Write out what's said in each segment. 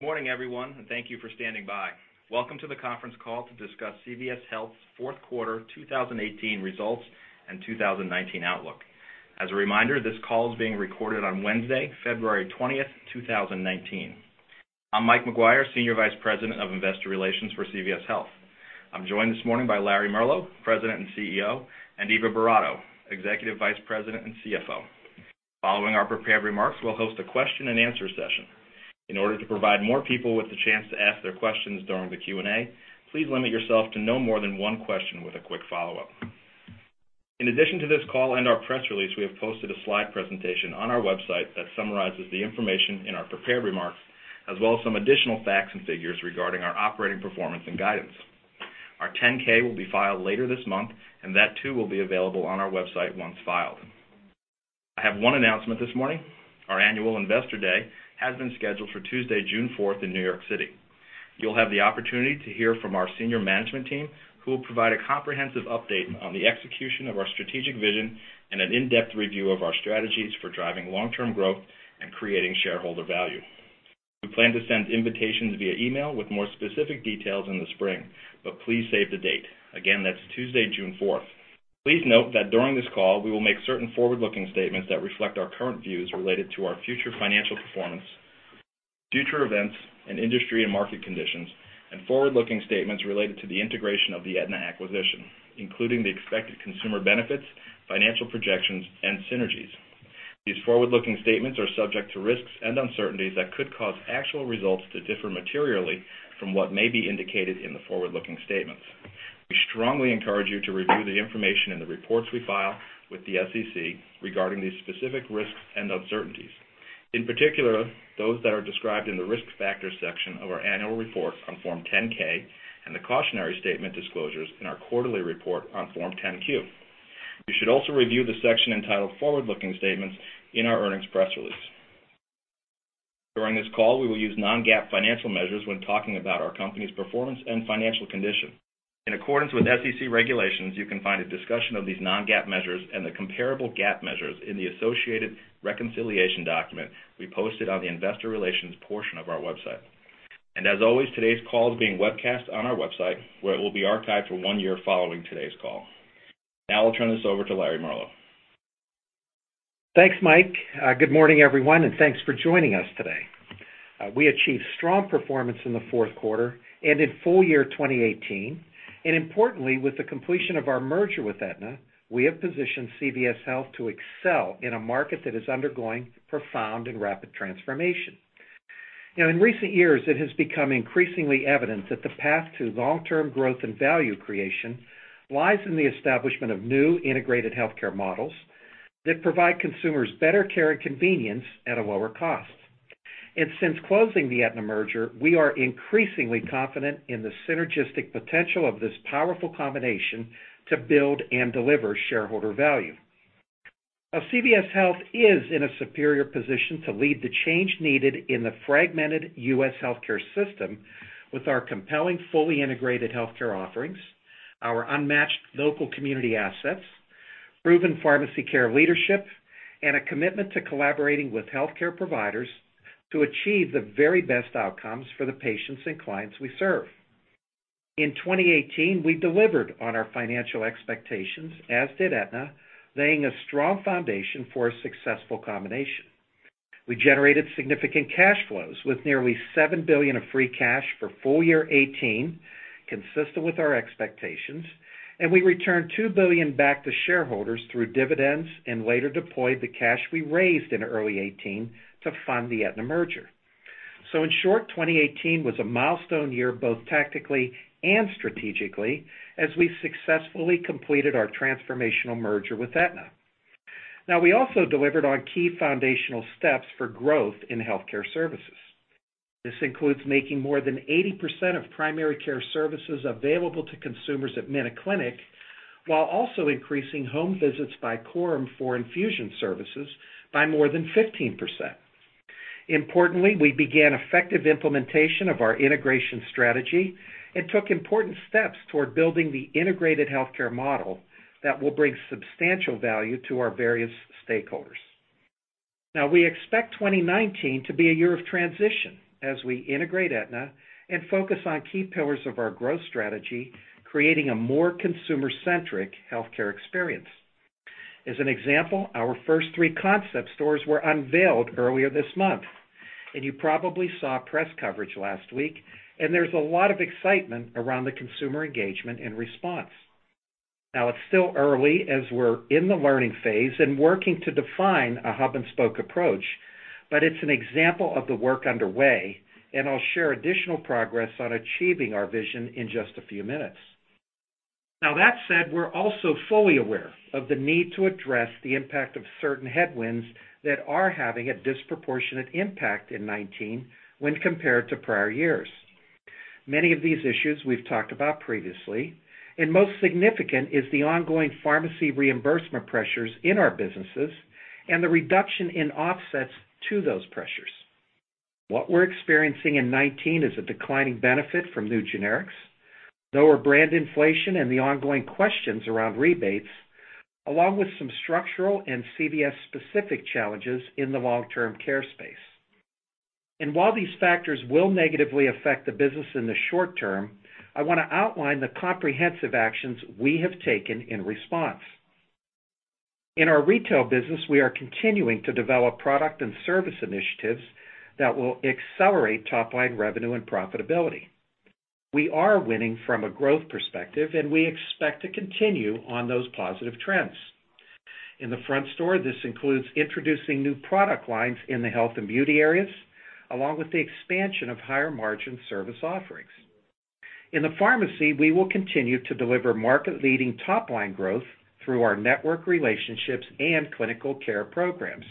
Morning everyone, thank you for standing by. Welcome to the conference call to discuss CVS Health's fourth quarter 2018 results and 2019 outlook. As a reminder, this call is being recorded on Wednesday, February 20th, 2019. I'm Michael McGuire, Senior Vice President of Investor Relations for CVS Health. I'm joined this morning by Larry Merlo, President and CEO, and Eva Boratto, Executive Vice President and CFO. Following our prepared remarks, we'll host a question and answer session. In order to provide more people with the chance to ask their questions during the Q&A, please limit yourself to no more than one question with a quick follow-up. In addition to this call and our press release, we have posted a slide presentation on our website that summarizes the information in our prepared remarks, as well as some additional facts and figures regarding our operating performance and guidance. Our 10-K will be filed later this month. That too will be available on our website once filed. I have one announcement this morning. Our annual Investor Day has been scheduled for Tuesday, June 4th in New York City. You'll have the opportunity to hear from our senior management team, who will provide a comprehensive update on the execution of our strategic vision and an in-depth review of our strategies for driving long-term growth and creating shareholder value. We plan to send invitations via email with more specific details in the spring. Please save the date. Again, that's Tuesday, June 4th. Please note that during this call, we will make certain forward-looking statements that reflect our current views related to our future financial performance, future events, and industry and market conditions, and forward-looking statements related to the integration of the Aetna acquisition, including the expected consumer benefits, financial projections, and synergies. These forward-looking statements are subject to risks and uncertainties that could cause actual results to differ materially from what may be indicated in the forward-looking statements. We strongly encourage you to review the information in the reports we file with the SEC regarding these specific risks and uncertainties, in particular, those that are described in the Risk Factors section of our annual report on Form 10-K and the cautionary statement disclosures in our quarterly report on Form 10-Q. You should also review the section entitled Forward-Looking Statements in our earnings press release. During this call, we will use non-GAAP financial measures when talking about our company's performance and financial condition. In accordance with SEC regulations, you can find a discussion of these non-GAAP measures and the comparable GAAP measures in the associated reconciliation document we posted on the investor relations portion of our website. As always, today's call is being webcast on our website, where it will be archived for one year following today's call. Now I'll turn this over to Larry Merlo. Thanks, Mike. Good morning, everyone, and thanks for joining us today. We achieved strong performance in the fourth quarter and in full year 2018. Importantly, with the completion of our merger with Aetna, we have positioned CVS Health to excel in a market that is undergoing profound and rapid transformation. In recent years, it has become increasingly evident that the path to long-term growth and value creation lies in the establishment of new integrated healthcare models that provide consumers better care and convenience at a lower cost. Since closing the Aetna merger, we are increasingly confident in the synergistic potential of this powerful combination to build and deliver shareholder value. CVS Health is in a superior position to lead the change needed in the fragmented U.S. healthcare system with our compelling, fully integrated healthcare offerings, our unmatched local community assets, proven pharmacy care leadership, and a commitment to collaborating with healthcare providers to achieve the very best outcomes for the patients and clients we serve. In 2018, we delivered on our financial expectations, as did Aetna, laying a strong foundation for a successful combination. We generated significant cash flows with nearly $7 billion of free cash for full year 2018, consistent with our expectations. We returned $2 billion back to shareholders through dividends and later deployed the cash we raised in early 2018 to fund the Aetna merger. In short, 2018 was a milestone year, both tactically and strategically, as we successfully completed our transformational merger with Aetna. We also delivered on key foundational steps for growth in healthcare services. This includes making more than 80% of primary care services available to consumers at MinuteClinic, while also increasing home visits by Coram for infusion services by more than 15%. Importantly, we began effective implementation of our integration strategy and took important steps toward building the integrated healthcare model that will bring substantial value to our various stakeholders. We expect 2019 to be a year of transition as we integrate Aetna and focus on key pillars of our growth strategy, creating a more consumer-centric healthcare experience. As an example, our first three concept stores were unveiled earlier this month. You probably saw press coverage last week. There's a lot of excitement around the consumer engagement and response. That said, we're also fully aware of the need to address the impact of certain headwinds that are having a disproportionate impact in 2019 when compared to prior years. Many of these issues we've talked about previously. Most significant is the ongoing pharmacy reimbursement pressures in our businesses and the reduction in offsets to those pressures. What we're experiencing in 2019 is a declining benefit from new generics, lower brand inflation and the ongoing questions around rebates, along with some structural and CVS-specific challenges in the long-term care space. While these factors will negatively affect the business in the short term, I want to outline the comprehensive actions we have taken in response. In our retail business, we are continuing to develop product and service initiatives that will accelerate top-line revenue and profitability. We are winning from a growth perspective, and we expect to continue on those positive trends. In the front store, this includes introducing new product lines in the health and beauty areas, along with the expansion of higher-margin service offerings. In the pharmacy, we will continue to deliver market-leading top-line growth through our network relationships and clinical care programs.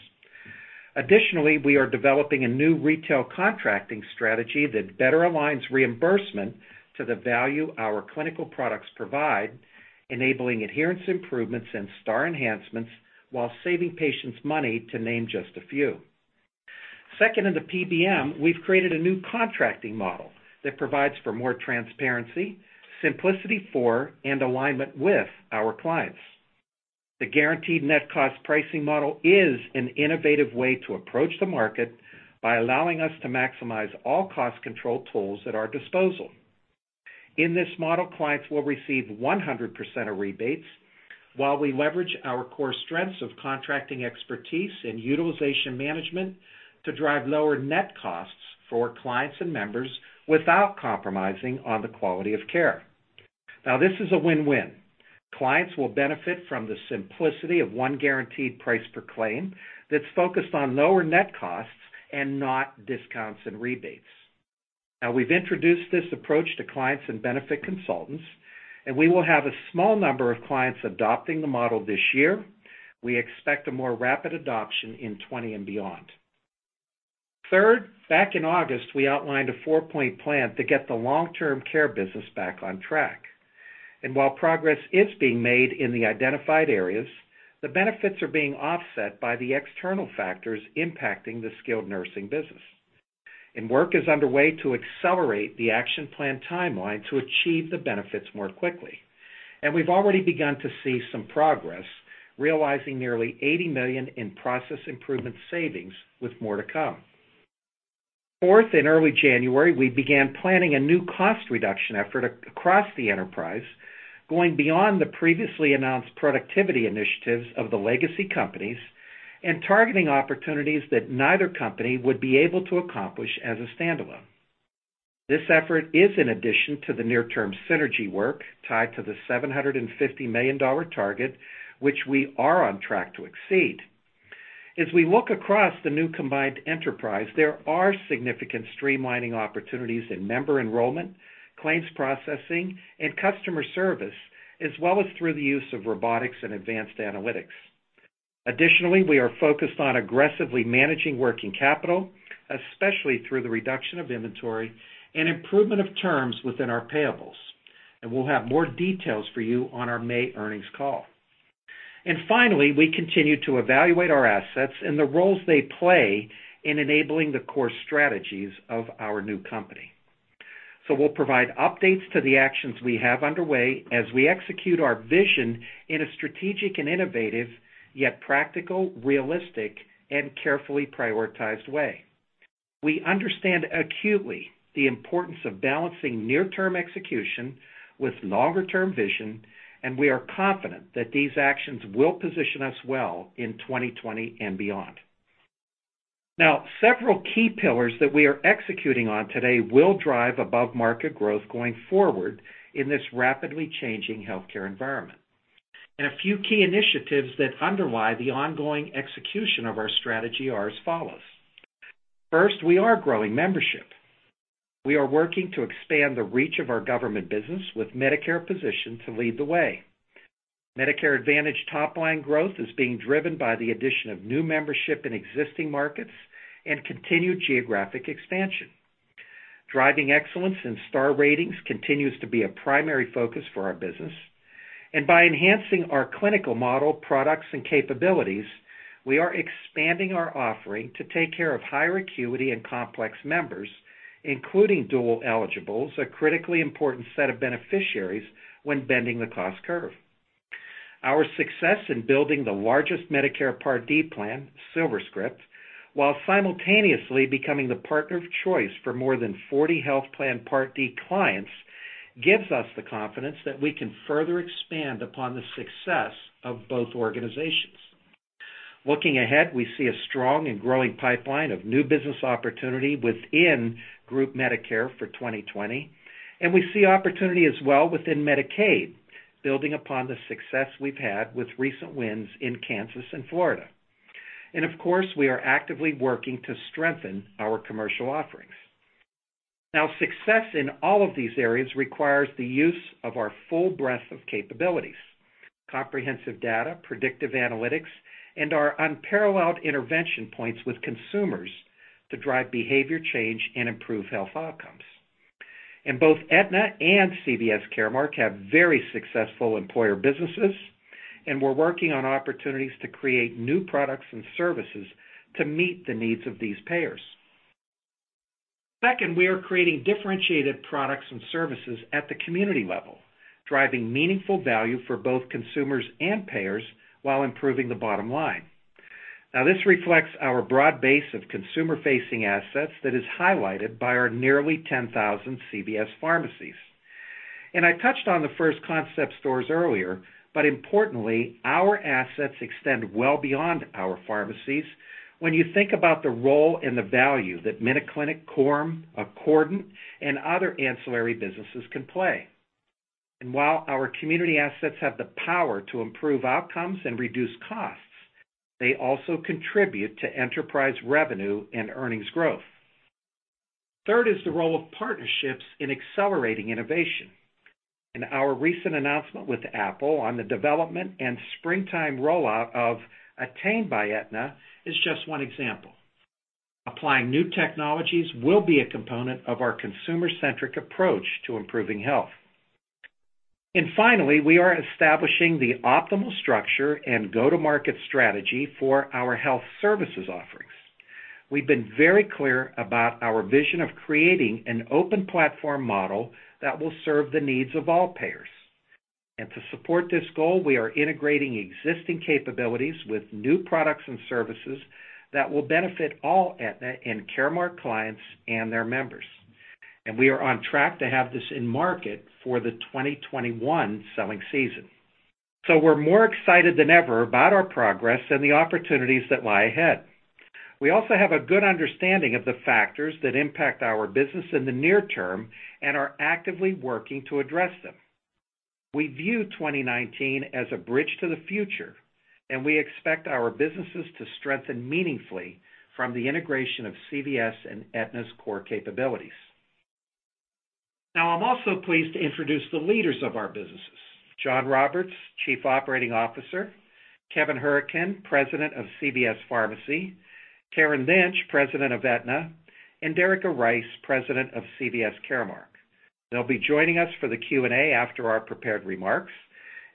Additionally, we are developing a new retail contracting strategy that better aligns reimbursement to the value our clinical products provide, enabling adherence improvements and star enhancements while saving patients money to name just a few. Second, in the PBM, we've created a new contracting model that provides for more transparency, simplicity for, and alignment with our clients. The guaranteed net cost pricing model is an innovative way to approach the market by allowing us to maximize all cost control tools at our disposal. In this model, clients will receive 100% of rebates while we leverage our core strengths of contracting expertise and utilization management to drive lower net costs for clients and members without compromising on the quality of care. This is a win-win. Clients will benefit from the simplicity of one guaranteed price per claim that's focused on lower net costs and not discounts and rebates. We've introduced this approach to clients and benefit consultants, and we will have a small number of clients adopting the model this year. We expect a more rapid adoption in 2020 and beyond. Third, back in August, we outlined a 4-point plan to get the long-term care business back on track. While progress is being made in the identified areas, the benefits are being offset by the external factors impacting the skilled nursing business. Work is underway to accelerate the action plan timeline to achieve the benefits more quickly. We've already begun to see some progress, realizing nearly $80 million in process improvement savings with more to come. Fourth, in early January, we began planning a new cost reduction effort across the enterprise, going beyond the previously announced productivity initiatives of the legacy companies and targeting opportunities that neither company would be able to accomplish as a standalone. This effort is in addition to the near-term synergy work tied to the $750 million target, which we are on track to exceed. As we look across the new combined enterprise, there are significant streamlining opportunities in member enrollment, claims processing, and customer service, as well as through the use of robotics and advanced analytics. Additionally, we are focused on aggressively managing working capital, especially through the reduction of inventory and improvement of terms within our payables. We'll have more details for you on our May earnings call. Finally, we continue to evaluate our assets and the roles they play in enabling the core strategies of our new company. We'll provide updates to the actions we have underway as we execute our vision in a strategic and innovative, yet practical, realistic, and carefully prioritized way. We understand acutely the importance of balancing near-term execution with longer-term vision, and we are confident that these actions will position us well in 2020 and beyond. Several key pillars that we are executing on today will drive above-market growth going forward in this rapidly changing healthcare environment. A few key initiatives that underlie the ongoing execution of our strategy are as follows. First, we are growing membership. We are working to expand the reach of our government business with Medicare position to lead the way. Medicare Advantage top-line growth is being driven by the addition of new membership in existing markets and continued geographic expansion. Driving excellence in star ratings continues to be a primary focus for our business. By enhancing our clinical model products and capabilities, we are expanding our offering to take care of higher acuity and complex members, including dual eligibles, a critically important set of beneficiaries when bending the cost curve. Our success in building the largest Medicare Part D plan, SilverScript, while simultaneously becoming the partner of choice for more than 40 health plan Part D clients, gives us the confidence that we can further expand upon the success of both organizations. Looking ahead, we see a strong and growing pipeline of new business opportunity within group Medicare for 2020, and we see opportunity as well within Medicaid, building upon the success we've had with recent wins in Kansas and Florida. Of course, we are actively working to strengthen our commercial offerings. Success in all of these areas requires the use of our full breadth of capabilities, comprehensive data, predictive analytics, and our unparalleled intervention points with consumers to drive behavior change and improve health outcomes. Both Aetna and CVS Caremark have very successful employer businesses, and we're working on opportunities to create new products and services to meet the needs of these payers. Second, we are creating differentiated products and services at the community level, driving meaningful value for both consumers and payers while improving the bottom line. This reflects our broad base of consumer-facing assets that is highlighted by our nearly 10,000 CVS pharmacies. I touched on the first concept stores earlier, but importantly, our assets extend well beyond our pharmacies when you think about the role and the value that MinuteClinic, Coram, Accordant, and other ancillary businesses can play. While our community assets have the power to improve outcomes and reduce costs, they also contribute to enterprise revenue and earnings growth. Third is the role of partnerships in accelerating innovation. In our recent announcement with Apple on the development and springtime rollout of Attain by Aetna is just one example. Applying new technologies will be a component of our consumer-centric approach to improving health. Finally, we are establishing the optimal structure and go-to-market strategy for our health services offerings. We've been very clear about our vision of creating an open platform model that will serve the needs of all payers. To support this goal, we are integrating existing capabilities with new products and services that will benefit all Aetna and Caremark clients and their members. We are on track to have this in market for the 2021 selling season. We're more excited than ever about our progress and the opportunities that lie ahead. We also have a good understanding of the factors that impact our business in the near term and are actively working to address them. We view 2019 as a bridge to the future, and we expect our businesses to strengthen meaningfully from the integration of CVS and Aetna's core capabilities. I'm also pleased to introduce the leaders of our businesses, John Roberts, Chief Operating Officer, Kevin Hourican, President of CVS Pharmacy, Karen Lynch, President of Aetna, and Derica Rice, President of CVS Caremark. They'll be joining us for the Q&A after our prepared remarks.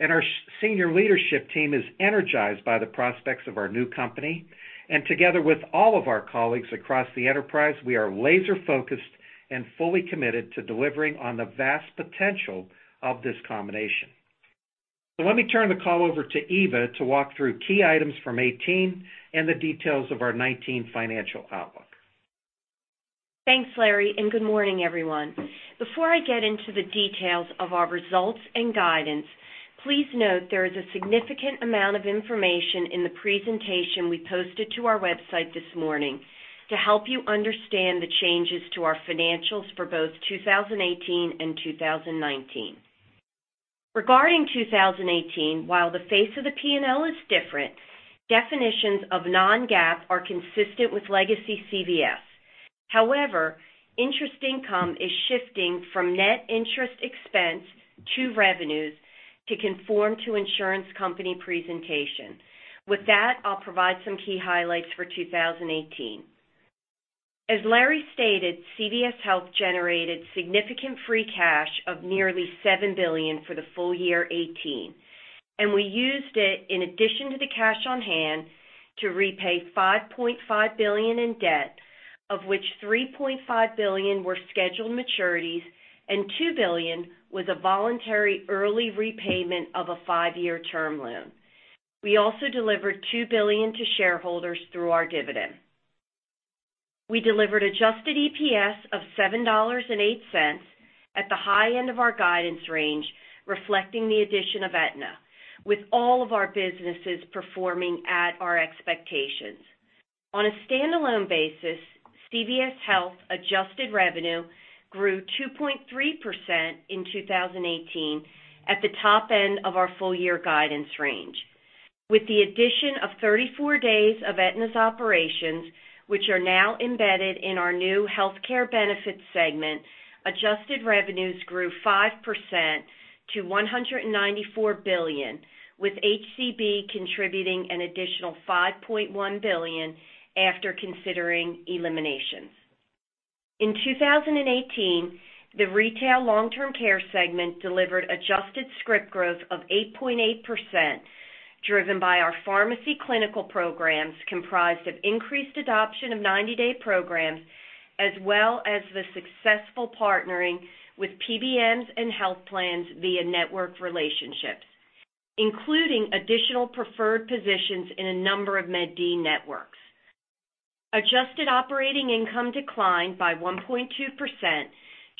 Our senior leadership team is energized by the prospects of our new company, and together with all of our colleagues across the enterprise, we are laser-focused and fully committed to delivering on the vast potential of this combination. Let me turn the call over to Eva to walk through key items from 2018 and the details of our 2019 financial outlook. Thanks, Larry, good morning, everyone. Before I get into the details of our results and guidance, please note there is a significant amount of information in the presentation we posted to our website this morning to help you understand the changes to our financials for both 2018 and 2019. Regarding 2018, while the face of the P&L is different, definitions of non-GAAP are consistent with legacy CVS. However, interest income is shifting from net interest expense to revenues to conform to insurance company presentation. With that, I'll provide some key highlights for 2018. As Larry stated, CVS Health generated significant free cash of nearly $7 billion for the full year 2018, and we used it in addition to the cash on hand to repay $5.5 billion in debt, of which $3.5 billion were scheduled maturities and $2 billion was a voluntary early repayment of a five-year term loan. We also delivered $2 billion to shareholders through our dividend. We delivered adjusted EPS of $7.08 at the high end of our guidance range, reflecting the addition of Aetna, with all of our businesses performing at our expectations. On a standalone basis, CVS Health adjusted revenue grew 2.3% in 2018 at the top end of our full-year guidance range. With the addition of 34 days of Aetna's operations, which are now embedded in our new healthcare benefits segment, adjusted revenues grew 5% to $194 billion, with HCB contributing an additional $5.1 billion after considering eliminations. In 2018, the retail long-term care segment delivered adjusted script growth of 8.8%, driven by our pharmacy clinical programs comprised of increased adoption of 90-day programs, as well as the successful partnering with PBMs and health plans via network relationships, including additional preferred positions in a number of Med D networks. Adjusted operating income declined by 1.2%,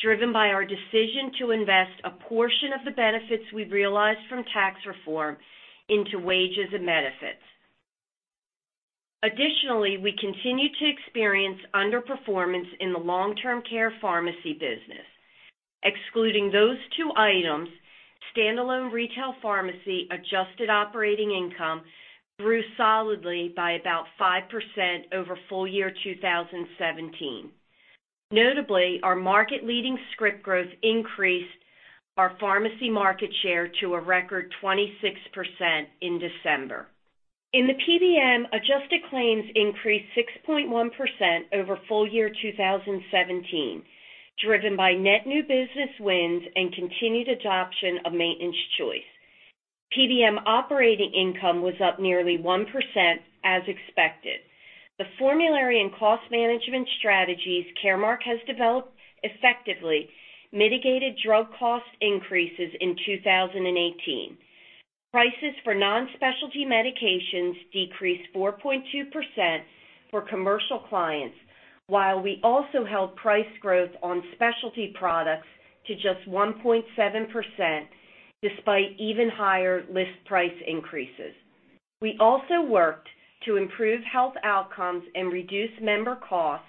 driven by our decision to invest a portion of the benefits we realized from tax reform into wages and benefits. Additionally, we continue to experience underperformance in the long-term care pharmacy business. Excluding those two items, standalone retail pharmacy adjusted operating income grew solidly by about 5% over full year 2017. Notably, our market-leading script growth increased our pharmacy market share to a record 26% in December. In the PBM, adjusted claims increased 6.1% over full year 2017, driven by net new business wins and continued adoption of Maintenance Choice. PBM operating income was up nearly 1% as expected. The formulary and cost management strategies Caremark has developed effectively mitigated drug cost increases in 2018. Prices for non-specialty medications decreased 4.2% for commercial clients, while we also held price growth on specialty products to just 1.7%, despite even higher list price increases. We also worked to improve health outcomes and reduce member costs,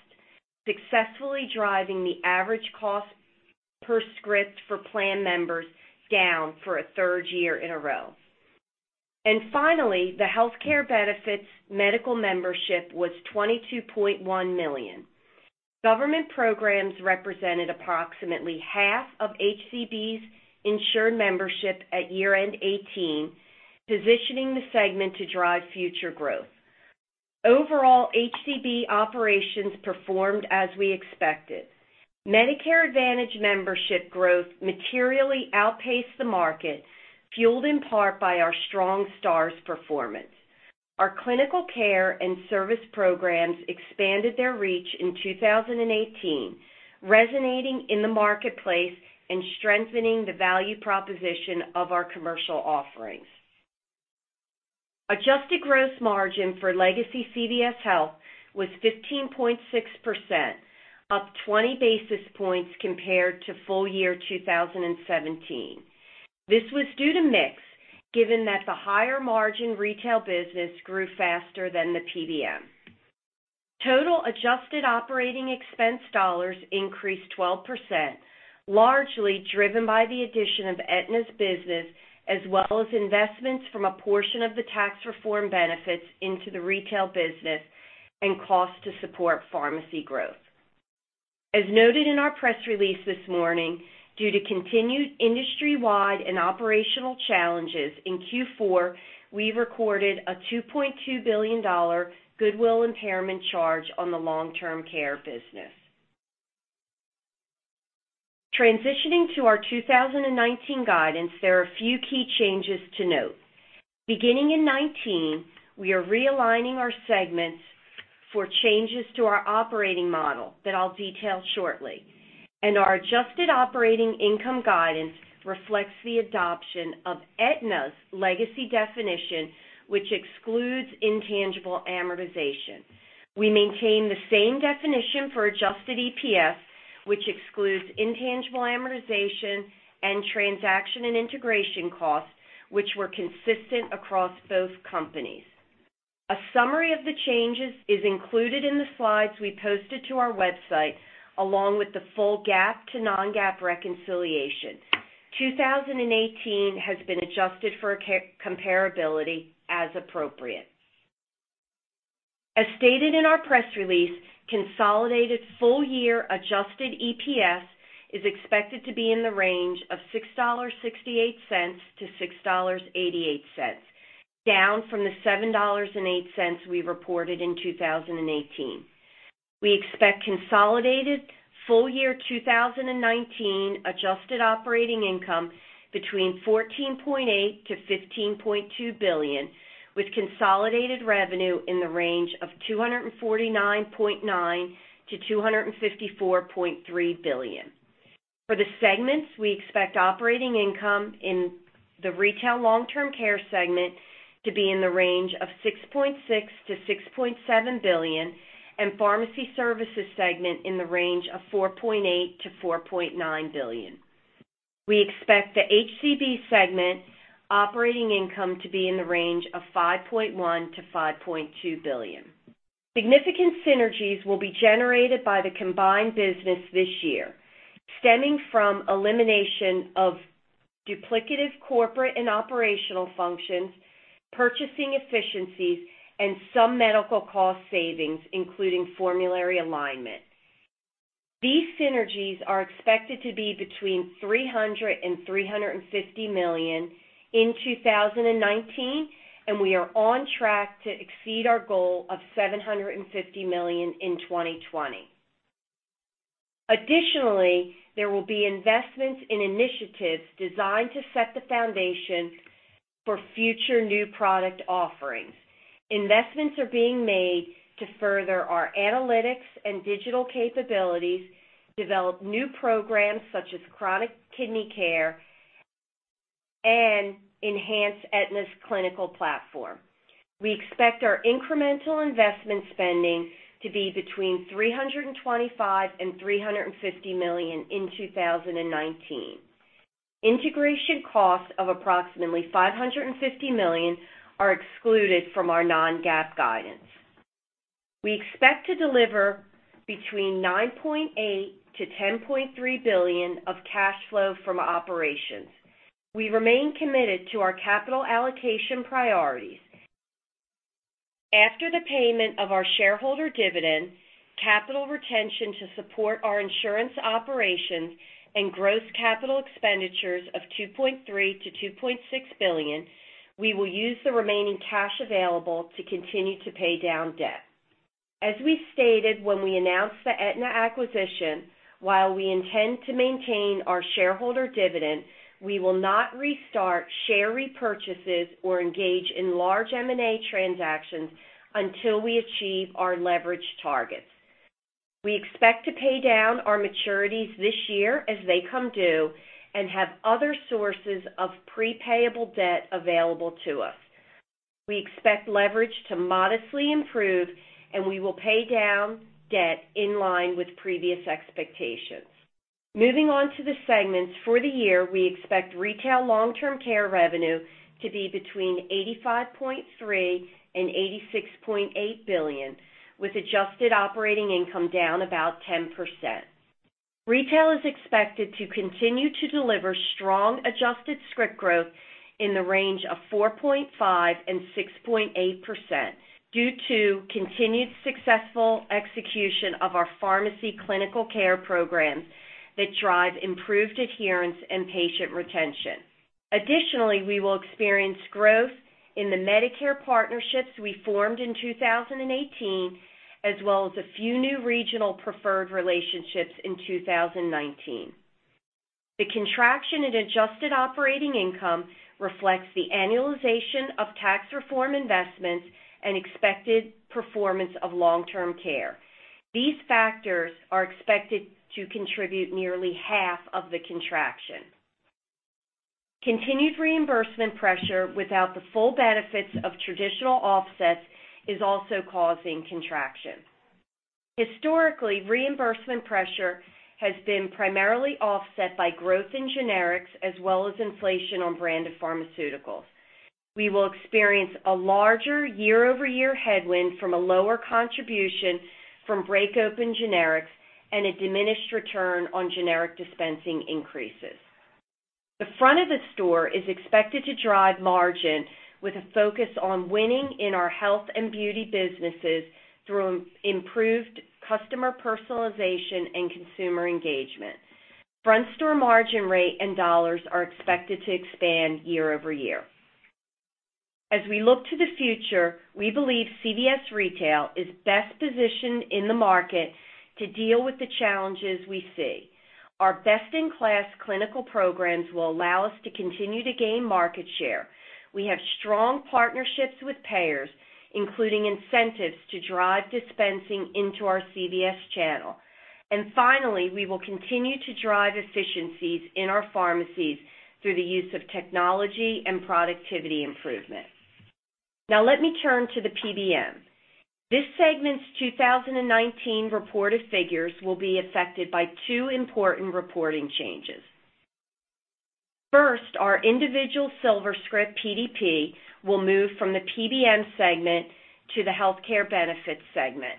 successfully driving the average cost per script for plan members down for a third year in a row. Finally, the healthcare benefits medical membership was 22.1 million. Government programs represented approximately half of HCB's insured membership at year-end 2018, positioning the segment to drive future growth. Overall, HCB operations performed as we expected. Medicare Advantage membership growth materially outpaced the market, fueled in part by our strong Stars performance. Our clinical care and service programs expanded their reach in 2018, resonating in the marketplace and strengthening the value proposition of our commercial offerings. Adjusted gross margin for legacy CVS Health was 15.6%, up 20 basis points compared to full year 2017. This was due to mix, given that the higher-margin retail business grew faster than the PBM. Total adjusted operating expense dollars increased 12%, largely driven by the addition of Aetna's business, as well as investments from a portion of the tax reform benefits into the retail business and cost to support pharmacy growth. As noted in our press release this morning, due to continued industry-wide and operational challenges in Q4, we recorded a $2.2 billion goodwill impairment charge on the long-term care business. Transitioning to our 2019 guidance, there are a few key changes to note. Beginning in 2019, we are realigning our segments for changes to our operating model that I'll detail shortly. Our adjusted operating income guidance reflects the adoption of Aetna's legacy definition, which excludes intangible amortization. We maintain the same definition for adjusted EPS, which excludes intangible amortization and transaction and integration costs, which were consistent across both companies. A summary of the changes is included in the slides we posted to our website, along with the full GAAP to non-GAAP reconciliation. 2018 has been adjusted for comparability as appropriate. As stated in our press release, consolidated full-year adjusted EPS is expected to be in the range of $6.68-$6.88, down from the $7.08 we reported in 2018. We expect consolidated full-year 2019 adjusted operating income between $14.8 billion-$15.2 billion, with consolidated revenue in the range of $249.9 billion-$254.3 billion. For the segments, we expect operating income in the Retail Long-Term Care Segment to be in the range of $6.6 billion-$6.7 billion, and Pharmacy Services Segment in the range of $4.8 billion-$4.9 billion. We expect the HCB Segment operating income to be in the range of $5.1 billion-$5.2 billion. Significant synergies will be generated by the combined business this year, stemming from elimination of duplicative corporate and operational functions, purchasing efficiencies, and some medical cost savings, including formulary alignment. These synergies are expected to be between $300 million and $350 million in 2019, and we are on track to exceed our goal of $750 million in 2020. Additionally, there will be investments in initiatives designed to set the foundation for future new product offerings. Investments are being made to further our analytics and digital capabilities, develop new programs such as chronic kidney care, and enhance Aetna's clinical platform. We expect our incremental investment spending to be between $325 million and $350 million in 2019. Integration costs of approximately $550 million are excluded from our non-GAAP guidance. We expect to deliver between $9.8 billion-$10.3 billion of cash flow from operations. We remain committed to our capital allocation priorities. After the payment of our shareholder dividend, capital retention to support our insurance operations, and gross capital expenditures of $2.3 billion-$2.6 billion, we will use the remaining cash available to continue to pay down debt. As we stated when we announced the Aetna acquisition, while we intend to maintain our shareholder dividend, we will not restart share repurchases or engage in large M&A transactions until we achieve our leverage targets. We expect to pay down our maturities this year as they come due and have other sources of pre-payable debt available to us. We expect leverage to modestly improve, and we will pay down debt in line with previous expectations. Moving on to the segments for the year, we expect retail long-term care revenue to be between $85.3 billion and $86.8 billion, with adjusted operating income down about 10%. Retail is expected to continue to deliver strong adjusted script growth in the range of 4.5% and 6.8% due to continued successful execution of our pharmacy clinical care programs that drive improved adherence and patient retention. Additionally, we will experience growth in the Medicare partnerships we formed in 2018, as well as a few new regional preferred relationships in 2019. The contraction in adjusted operating income reflects the annualization of tax reform investments and expected performance of long-term care. These factors are expected to contribute nearly half of the contraction. Continued reimbursement pressure without the full benefits of traditional offsets is also causing contraction. Historically, reimbursement pressure has been primarily offset by growth in generics as well as inflation on brand pharmaceuticals. We will experience a larger year-over-year headwind from a lower contribution from break open generics and a diminished return on generic dispensing increases. The front of the store is expected to drive margin with a focus on winning in our health and beauty businesses through improved customer personalization and consumer engagement. Front store margin rate and dollars are expected to expand year-over-year. As we look to the future, we believe CVS Retail is best positioned in the market to deal with the challenges we see. Our best-in-class clinical programs will allow us to continue to gain market share. We have strong partnerships with payers, including incentives to drive dispensing into our CVS channel. Finally, we will continue to drive efficiencies in our pharmacies through the use of technology and productivity improvements. Now let me turn to the PBM. This segment's 2019 reported figures will be affected by two important reporting changes. First, our individual SilverScript PDP will move from the PBM segment to the healthcare benefits segment,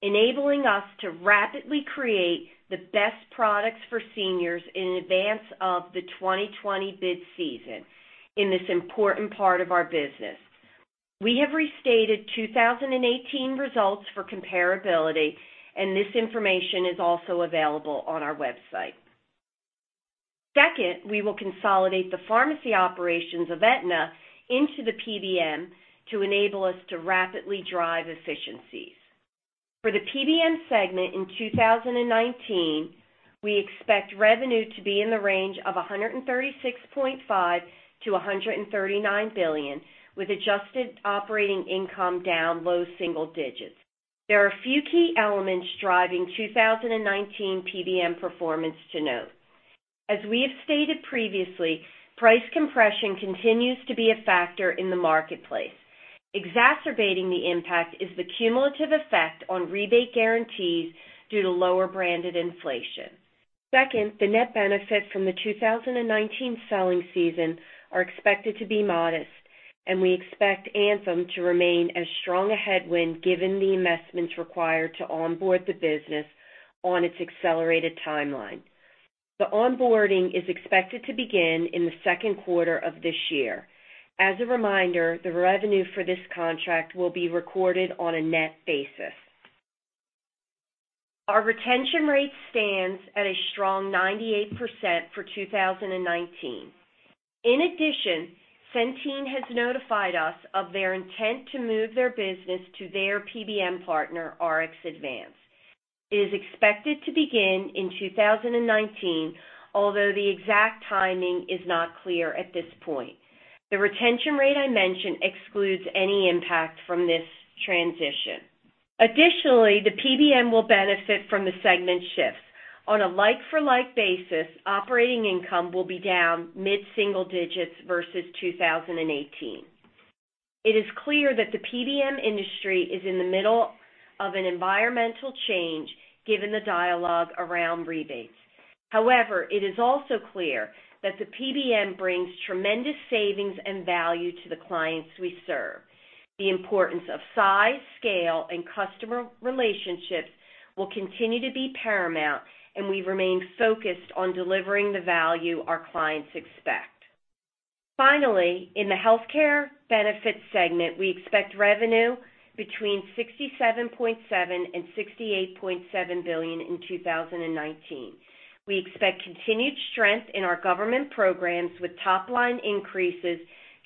enabling us to rapidly create the best products for seniors in advance of the 2020 bid season in this important part of our business. We have restated 2018 results for comparability, and this information is also available on our website. Second, we will consolidate the pharmacy operations of Aetna into the PBM to enable us to rapidly drive efficiencies. For the PBM segment in 2019, we expect revenue to be in the range of $136.5 billion-$139 billion, with adjusted operating income down low single digits. There are a few key elements driving 2019 PBM performance to note. As we have stated previously, price compression continues to be a factor in the marketplace. Exacerbating the impact is the cumulative effect on rebate guarantees due to lower branded inflation. Second, the net benefits from the 2019 selling season are expected to be modest, we expect Anthem to remain as strong a headwind given the investments required to onboard the business on its accelerated timeline. The onboarding is expected to begin in the second quarter of this year. As a reminder, the revenue for this contract will be recorded on a net basis. Our retention rate stands at a strong 98% for 2019. In addition, Centene has notified us of their intent to move their business to their PBM partner, RxAdvance. It is expected to begin in 2019, although the exact timing is not clear at this point. The retention rate I mentioned excludes any impact from this transition. Additionally, the PBM will benefit from the segment shift. On a like-for-like basis, operating income will be down mid-single digits versus 2018. It is clear that the PBM industry is in the middle of an environmental change given the dialogue around rebates. However, it is also clear that the PBM brings tremendous savings and value to the clients we serve. The importance of size, scale, and customer relationships will continue to be paramount, and we remain focused on delivering the value our clients expect. Finally, in the healthcare benefits segment, we expect revenue between $67.7 billion-$68.7 billion in 2019. We expect continued strength in our government programs with top-line increases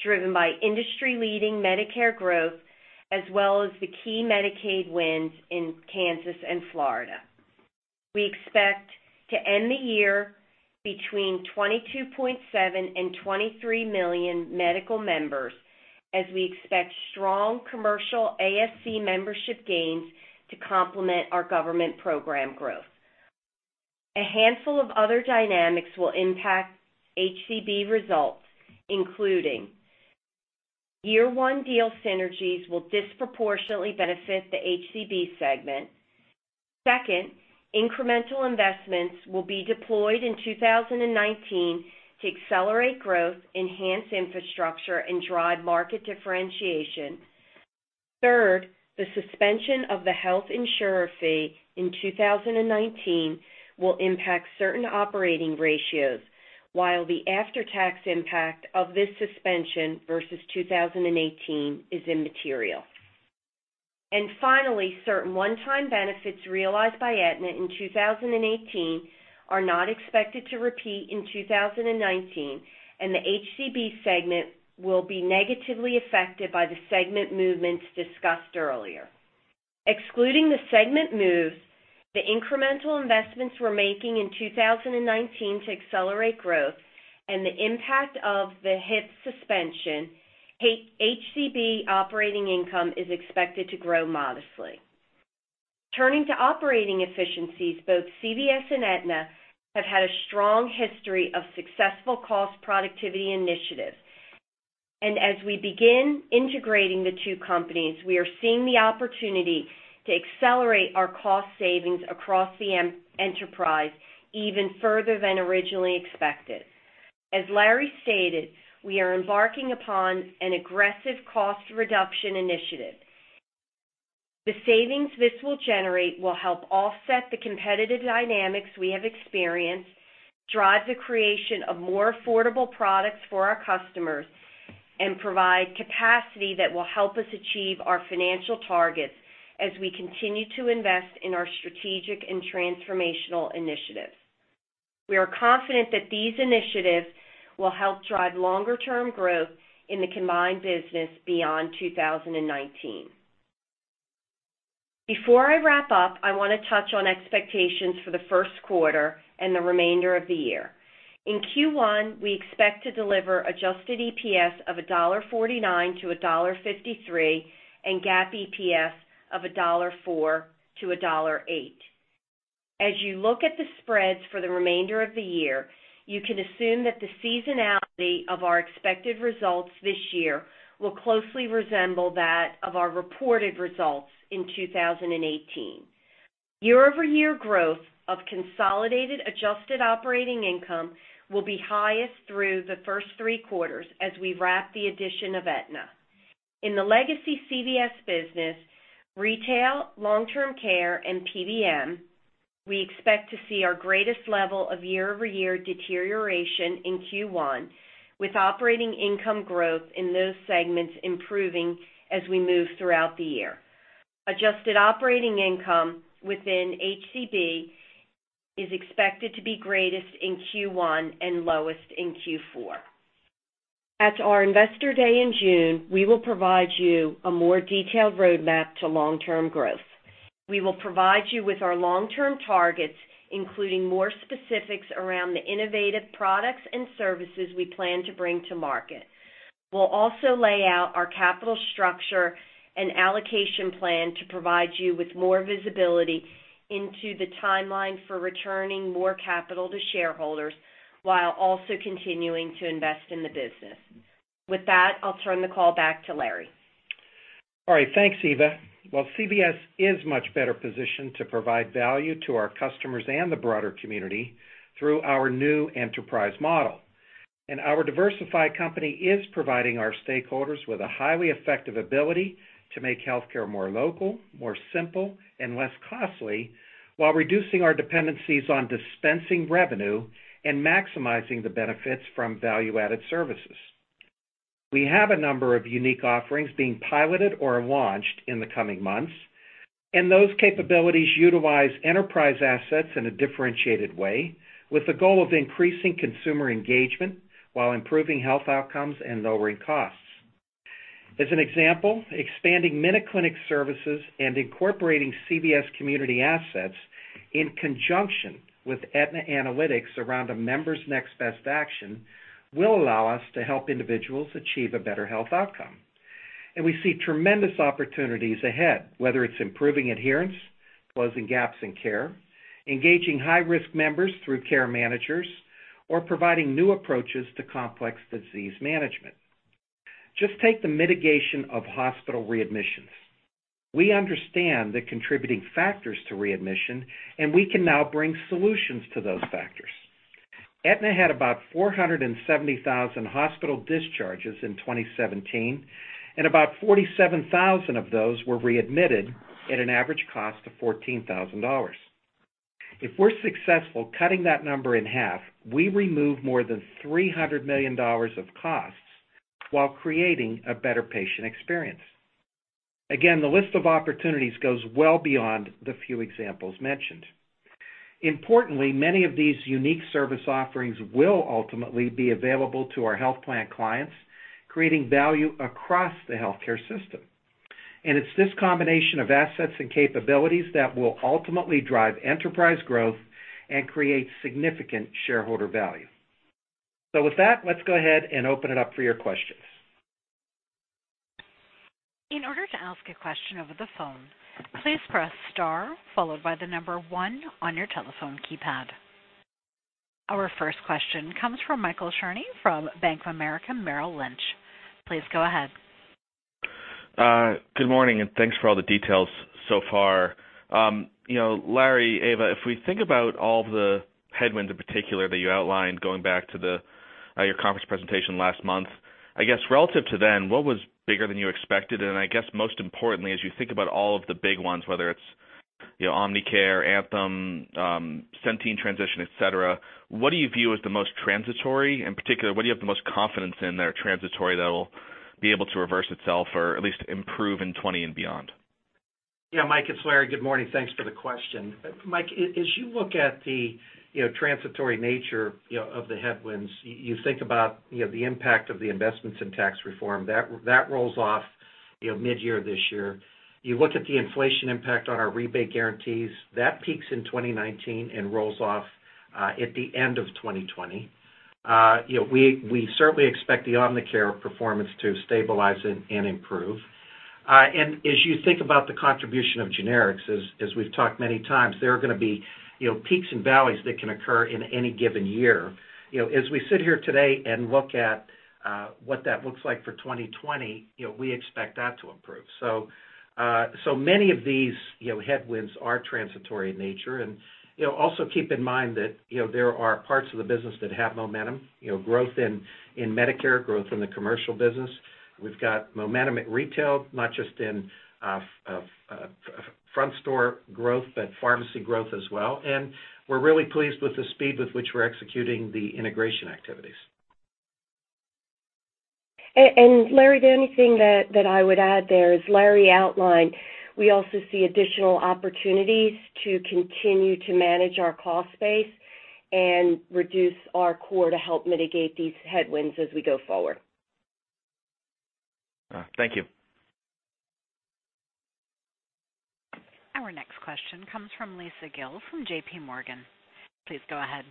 driven by industry-leading Medicare growth, as well as the key Medicaid wins in Kansas and Florida. We expect to end the year between 22.7 million-23 million medical members as we expect strong commercial ASC membership gains to complement our government program growth. A handful of other dynamics will impact HCB results, including year one deal synergies will disproportionately benefit the HCB segment. Second, incremental investments will be deployed in 2019 to accelerate growth, enhance infrastructure, and drive market differentiation. Third, the suspension of the Health Insurer Fee in 2019 will impact certain operating ratios while the after-tax impact of this suspension versus 2018 is immaterial. Finally, certain one-time benefits realized by Aetna in 2018 are not expected to repeat in 2019, and the HCB segment will be negatively affected by the segment movements discussed earlier. Excluding the segment moves, the incremental investments we're making in 2019 to accelerate growth and the impact of the HIF suspension, HCB operating income is expected to grow modestly. Turning to operating efficiencies, both CVS and Aetna have had a strong history of successful cost productivity initiatives. As we begin integrating the two companies, we are seeing the opportunity to accelerate our cost savings across the enterprise even further than originally expected. As Larry stated, we are embarking upon an aggressive cost reduction initiative. The savings this will generate will help offset the competitive dynamics we have experienced, drive the creation of more affordable products for our customers, and provide capacity that will help us achieve our financial targets as we continue to invest in our strategic and transformational initiatives. We are confident that these initiatives will help drive longer-term growth in the combined business beyond 2019. Before I wrap up, I want to touch on expectations for the first quarter and the remainder of the year. In Q1, we expect to deliver adjusted EPS of $1.49-$1.53 and GAAP EPS of $1.4-$1.8. As you look at the spreads for the remainder of the year, you can assume that the seasonality of our expected results this year will closely resemble that of our reported results in 2018. Year-over-year growth of consolidated adjusted operating income will be highest through the first three quarters as we wrap the addition of Aetna. In the legacy CVS business, retail, long-term care, and PBM, we expect to see our greatest level of year-over-year deterioration in Q1, with operating income growth in those segments improving as we move throughout the year. Adjusted operating income within HCB is expected to be greatest in Q1 and lowest in Q4. At our Investor Day in June, we will provide you a more detailed roadmap to long-term growth. We will provide you with our long-term targets, including more specifics around the innovative products and services we plan to bring to market. We'll also lay out our capital structure and allocation plan to provide you with more visibility into the timeline for returning more capital to shareholders while also continuing to invest in the business. With that, I'll turn the call back to Larry. All right. Thanks, Eva. Well, CVS is much better positioned to provide value to our customers and the broader community through our new enterprise model. Our diversified company is providing our stakeholders with a highly effective ability to make healthcare more local, more simple, and less costly while reducing our dependencies on dispensing revenue and maximizing the benefits from value-added services. We have a number of unique offerings being piloted or launched in the coming months, those capabilities utilize enterprise assets in a differentiated way with the goal of increasing consumer engagement while improving health outcomes and lowering costs. As an example, expanding MinuteClinic services and incorporating CVS community assets in conjunction with Aetna Analytics around a member's next best action will allow us to help individuals achieve a better health outcome. We see tremendous opportunities ahead, whether it's improving adherence, closing gaps in care, engaging high-risk members through care managers, or providing new approaches to complex disease management. Take the mitigation of hospital readmissions. We understand the contributing factors to readmission, and we can now bring solutions to those factors. Aetna had about 470,000 hospital discharges in 2017, and about 47,000 of those were readmitted at an average cost of $14,000. If we're successful cutting that number in half, we remove more than $300 million of costs while creating a better patient experience. The list of opportunities goes well beyond the few examples mentioned. Many of these unique service offerings will ultimately be available to our health plan clients, creating value across the healthcare system. It's this combination of assets and capabilities that will ultimately drive enterprise growth and create significant shareholder value. With that, let's go ahead and open it up for your questions. In order to ask a question over the phone, please press star followed by the number 1 on your telephone keypad. Our first question comes from Michael Cherny from Bank of America, Merrill Lynch. Please go ahead. Good morning, thanks for all the details so far. Larry, Eva, if we think about all of the headwinds in particular that you outlined, going back to your conference presentation last month, relative to then, what was bigger than you expected? Most importantly, as you think about all of the big ones, whether it's Omnicare, Anthem, Centene transition, et cetera, what do you view as the most transitory? In particular, what do you have the most confidence in that are transitory that'll be able to reverse itself, or at least improve in 2020 and beyond? Mike, it's Larry. Good morning. Thanks for the question. Mike, as you look at the transitory nature of the headwinds, you think about the impact of the investments in tax reform. That rolls off mid-year this year. You look at the inflation impact on our rebate guarantees. That peaks in 2019 and rolls off, at the end of 2020. We certainly expect the Omnicare performance to stabilize and improve. As you think about the contribution of generics, as we've talked many times, there are going to be peaks and valleys that can occur in any given year. As we sit here today and look at what that looks like for 2020, we expect that to improve. Many of these headwinds are transitory in nature. Also keep in mind that there are parts of the business that have momentum, growth in Medicare, growth in the commercial business. We've got momentum at retail, not just in front store growth, but pharmacy growth as well. We're really pleased with the speed with which we're executing the integration activities. Larry, the only thing that I would add there, as Larry outlined, we also see additional opportunities to continue to manage our cost base and reduce our core to help mitigate these headwinds as we go forward. Thank you. Our next question comes from Lisa Gill from JPMorgan. Please go ahead.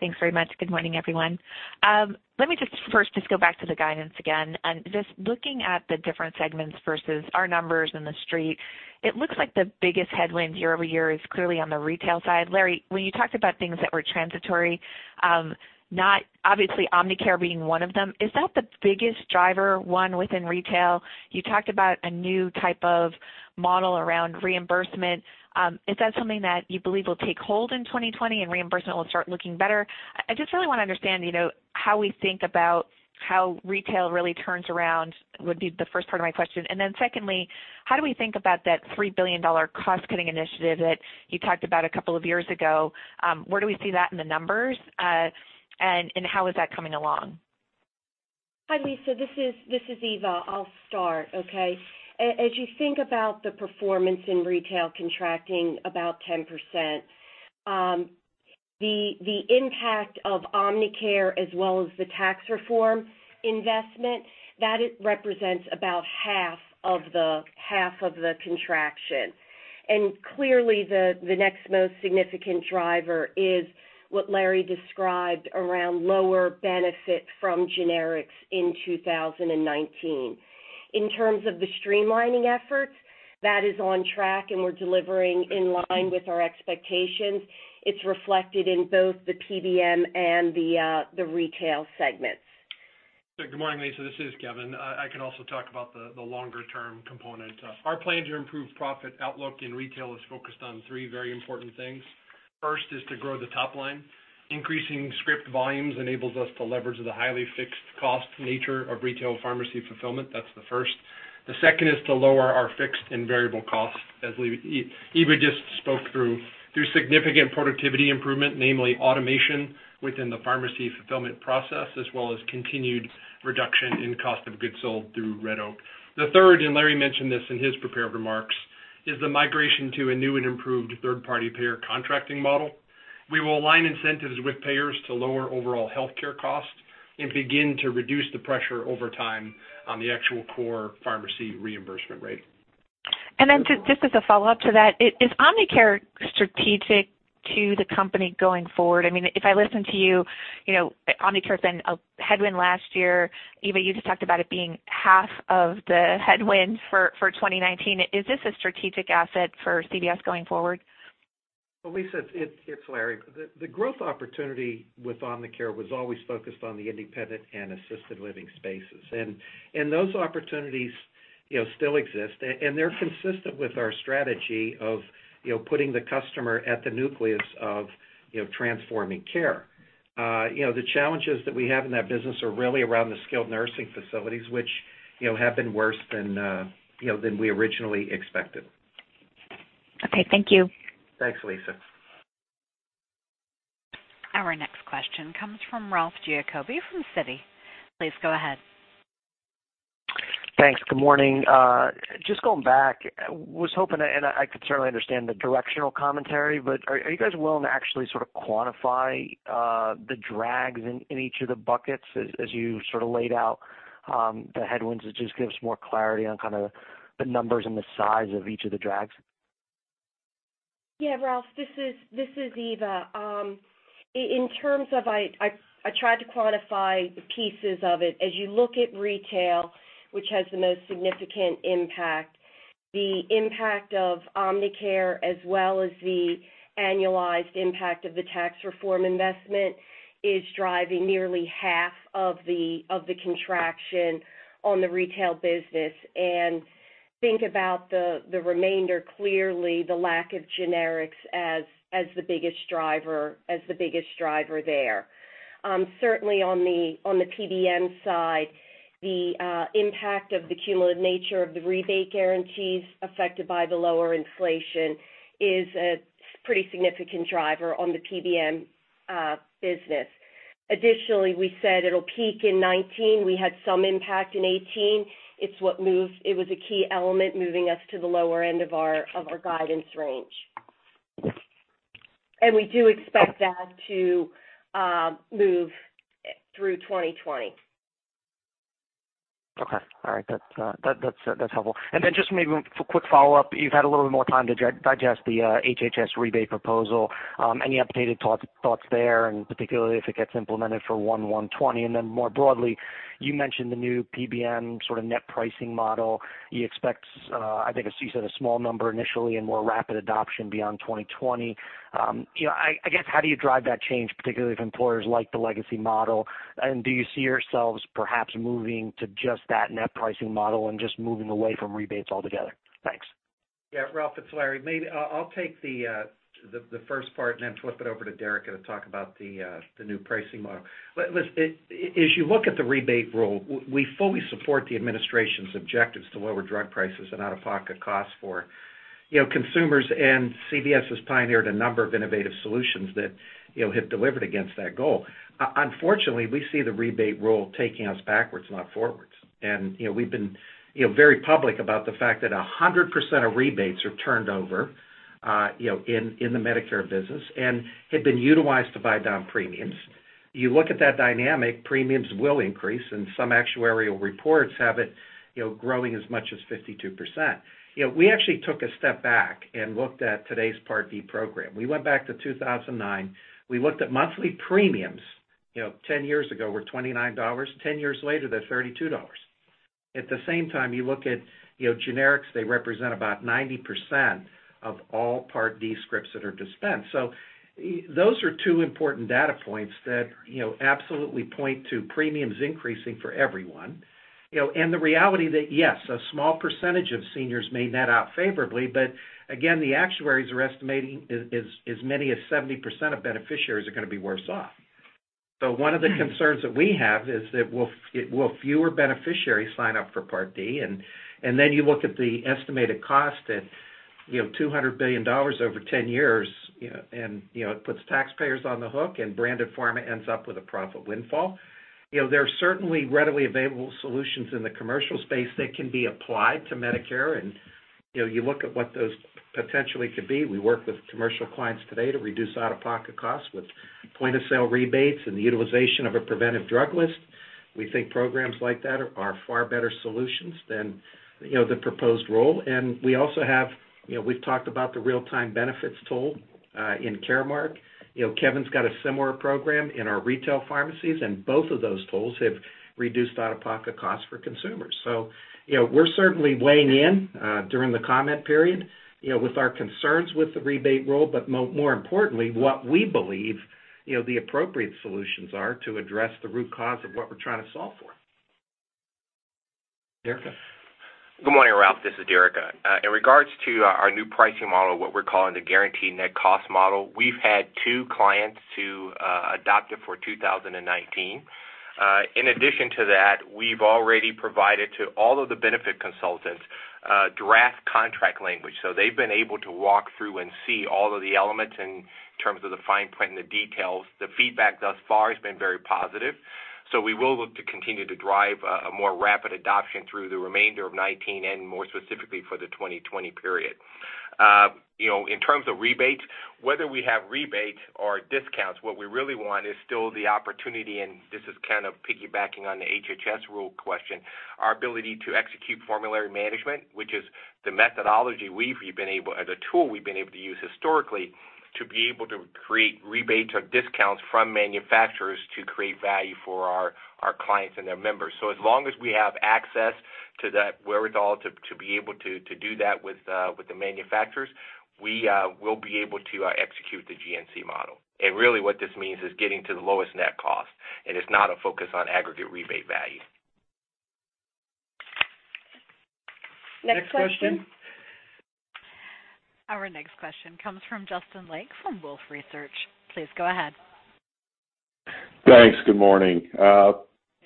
Thanks very much. Good morning, everyone. Let me just first just go back to the guidance again, just looking at the different segments versus our numbers in the Street, it looks like the biggest headwind year-over-year is clearly on the retail side. Larry, when you talked about things that were transitory, obviously Omnicare being one of them, is that the biggest driver, one within retail? You talked about a new type of model around reimbursement. Is that something that you believe will take hold in 2020 and reimbursement will start looking better? I just really want to understand how we think about how retail really turns around, would be the first part of my question. Secondly, how do we think about that $3 billion cost-cutting initiative that you talked about a couple of years ago? Where do we see that in the numbers? How is that coming along? Hi, Lisa. This is Eva. I'll start, okay? As you think about the performance in retail contracting about 10%, the impact of Omnicare as well as the tax reform investment, that represents about half of the contraction. Clearly, the next most significant driver is what Larry described around lower benefit from generics in 2019. In terms of the streamlining efforts, that is on track, and we're delivering in line with our expectations. It's reflected in both the PBM and the retail segments. Good morning, Lisa. This is Kevin. I can also talk about the longer-term component. Our plan to improve profit outlook in retail is focused on three very important things. First is to grow the top line. Increasing script volumes enables us to leverage the highly fixed cost nature of retail pharmacy fulfillment. That's the first. The second is to lower our fixed and variable costs, as Eva just spoke through significant productivity improvement, namely automation within the pharmacy fulfillment process, as well as continued reduction in cost of goods sold through Red Oak. The third, and Larry mentioned this in his prepared remarks, is the migration to a new and improved third-party payer contracting model. We will align incentives with payers to lower overall healthcare costs and begin to reduce the pressure over time on the actual core pharmacy reimbursement rate. Just as a follow-up to that, is Omnicare strategic to the company going forward? If I listen to you, Omnicare's been a headwind last year. Eva, you just talked about it being half of the headwind for 2019. Is this a strategic asset for CVS going forward? Lisa, it's Larry. The growth opportunity with Omnicare was always focused on the independent and assisted living spaces, and those opportunities still exist, and they're consistent with our strategy of putting the customer at the nucleus of transforming care. The challenges that we have in that business are really around the skilled nursing facilities, which have been worse than we originally expected. Okay. Thank you. Thanks, Lisa. Our next question comes from Ralph Giacobbe from Citi. Please go ahead. Thanks. Good morning. Just going back, I could certainly understand the directional commentary, are you guys willing to actually sort of quantify the drags in each of the buckets as you sort of laid out the headwinds? It just gives more clarity on the numbers and the size of each of the drags. Ralph, this is Eva. I tried to quantify the pieces of it. As you look at retail, which has the most significant impact, the impact of Omnicare as well as the annualized impact of the tax reform investment is driving nearly half of the contraction on the retail business. Think about the remainder, clearly the lack of generics as the biggest driver there. Certainly, on the PBM side, the impact of the cumulative nature of the rebate guarantees affected by the lower inflation is a pretty significant driver on the PBM business. Additionally, we said it'll peak in 2019. We had some impact in 2018. It was a key element moving us to the lower end of our guidance range. We do expect that to move through 2020. Okay. All right. That's helpful. Just maybe one quick follow-up. You've had a little bit more time to digest the HHS rebate proposal. Any updated thoughts there, and particularly if it gets implemented for 1/1/2020? More broadly, you mentioned the new PBM net pricing model. You expect, I think as you said, a small number initially and more rapid adoption beyond 2020. I guess, how do you drive that change, particularly if employers like the legacy model? Do you see yourselves perhaps moving to just that net pricing model and just moving away from rebates altogether? Thanks. Yeah, Ralph, it's Larry. Maybe I'll take the first part and then flip it over to Derica to talk about the new pricing model. Listen, as you look at the rebate rule, we fully support the administration's objectives to lower drug prices and out-of-pocket costs for consumers. CVS has pioneered a number of innovative solutions that have delivered against that goal. Unfortunately, we see the rebate rule taking us backwards, not forwards. We've been very public about the fact that 100% of rebates are turned over in the Medicare business and have been utilized to buy down premiums. You look at that dynamic, premiums will increase, and some actuarial reports have it growing as much as 52%. We actually took a step back and looked at today's Part D program. We went back to 2009. We looked at monthly premiums. 10 years ago, it were $29. 10 years later, they're $32. At the same time, you look at generics, they represent about 90% of all Part D scripts that are dispensed. Those are two important data points that absolutely point to premiums increasing for everyone. The reality that, yes, a small percentage of seniors may net out favorably, but again, the actuaries are estimating as many as 70% of beneficiaries are going to be worse off. One of the concerns that we have is that will fewer beneficiaries sign up for Part D? You look at the estimated cost at $200 billion over 10 years, and it puts taxpayers on the hook, and branded pharma ends up with a profit windfall. There are certainly readily available solutions in the commercial space that can be applied to Medicare, and you look at what those potentially could be. We work with commercial clients today to reduce out-of-pocket costs with point-of-sale rebates and the utilization of a preventive drug list. We think programs like that are far better solutions than the proposed rule. We've talked about the real-time benefits tool in Caremark. Kevin's got a similar program in our retail pharmacies, and both of those tools have reduced out-of-pocket costs for consumers. We're certainly weighing in during the comment period, with our concerns with the rebate rule, but more importantly, what we believe the appropriate solutions are to address the root cause of what we're trying to solve for. Derica. Good morning, Ralph. This is Derica. In regards to our new pricing model, what we're calling the Guaranteed Net Cost Model, we've had two clients to adopt it for 2019. In addition to that, we've already provided to all of the benefit consultants draft contract language. They've been able to walk through and see all of the elements in terms of the fine print and the details. The feedback thus far has been very positive. We will look to continue to drive a more rapid adoption through the remainder of 2019 and more specifically for the 2020 period. In terms of rebates, whether we have rebates or discounts, what we really want is still the opportunity, and this is kind of piggybacking on the HHS rule question, our ability to execute formulary management, which is the methodology, or the tool we've been able to use historically to be able to create rebates or discounts from manufacturers to create value for our clients and their members. As long as we have access to that wherewithal to be able to do that with the manufacturers, we will be able to execute the GNC Model. Really what this means is getting to the lowest net cost, and it's not a focus on aggregate rebate value. Next question. Next question. Our next question comes from Justin Lake from Wolfe Research. Please go ahead. Thanks. Good morning.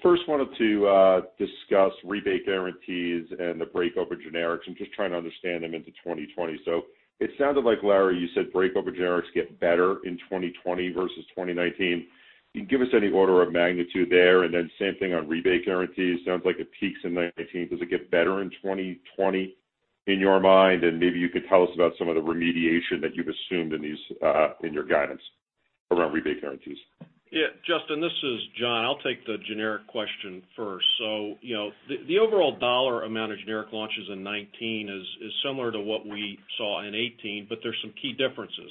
First wanted to discuss rebate guarantees and the break open generics. I'm just trying to understand them into 2020. It sounded like, Larry, you said break-over generics get better in 2020 versus 2019. Can you give us any order of magnitude there? Same thing on rebate guarantees. Sounds like it peaks in 2019. Does it get better in 2020 in your mind? Maybe you could tell us about some of the remediation that you've assumed in your guidance, around rebate guarantees. Yeah, Justin, this is Jon. I'll take the generic question first. The overall dollar amount of generic launches in 2019 is similar to what we saw in 2018, but there's some key differences.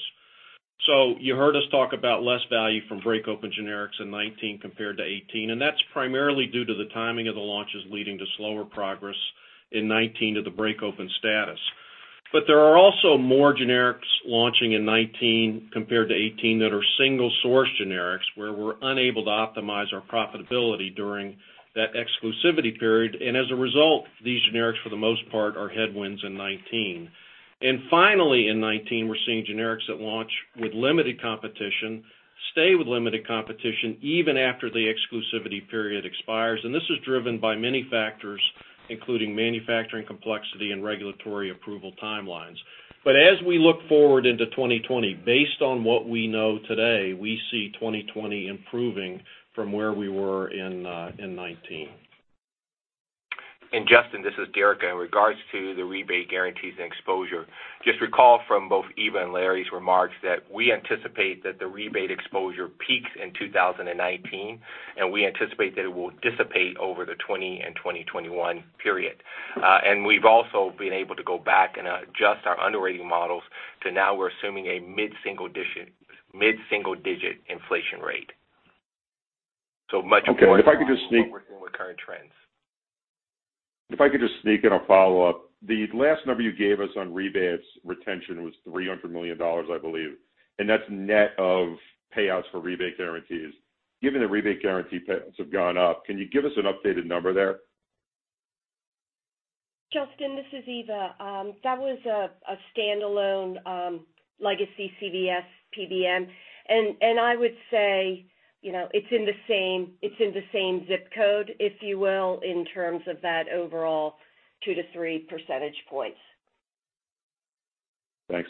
You heard us talk about less value from break open generics in 2019 compared to 2018, and that's primarily due to the timing of the launches leading to slower progress in 2019 to the break open status. There are also more generics launching in 2019 compared to 2018 that are single source generics, where we're unable to optimize our profitability during that exclusivity period, and as a result, these generics, for the most part, are headwinds in 2019. Finally, in 2019, we're seeing generics that launch with limited competition, stay with limited competition even after the exclusivity period expires, and this is driven by many factors, including manufacturing complexity and regulatory approval timelines. As we look forward into 2020, based on what we know today, we see 2020 improving from where we were in 2019. Justin, this is Derica. In regards to the rebate guarantees and exposure, just recall from both Eva and Larry's remarks that we anticipate that the rebate exposure peaks in 2019. We anticipate that it will dissipate over the 2020 and 2021 period. We've also been able to go back and adjust our underwriting models to now we're assuming a mid-single-digit inflation rate. Much more in line. Okay, if I could just sneak. With current trends. If I could just sneak in a follow-up. The last number you gave us on rebates retention was $300 million, I believe, and that's net of payouts for rebate guarantees. Given the rebate guarantee payouts have gone up, can you give us an updated number there? Justin, this is Eva. That was a standalone legacy CVS PBM. I would say it's in the same zip code, if you will, in terms of that overall two to three percentage points. Thanks.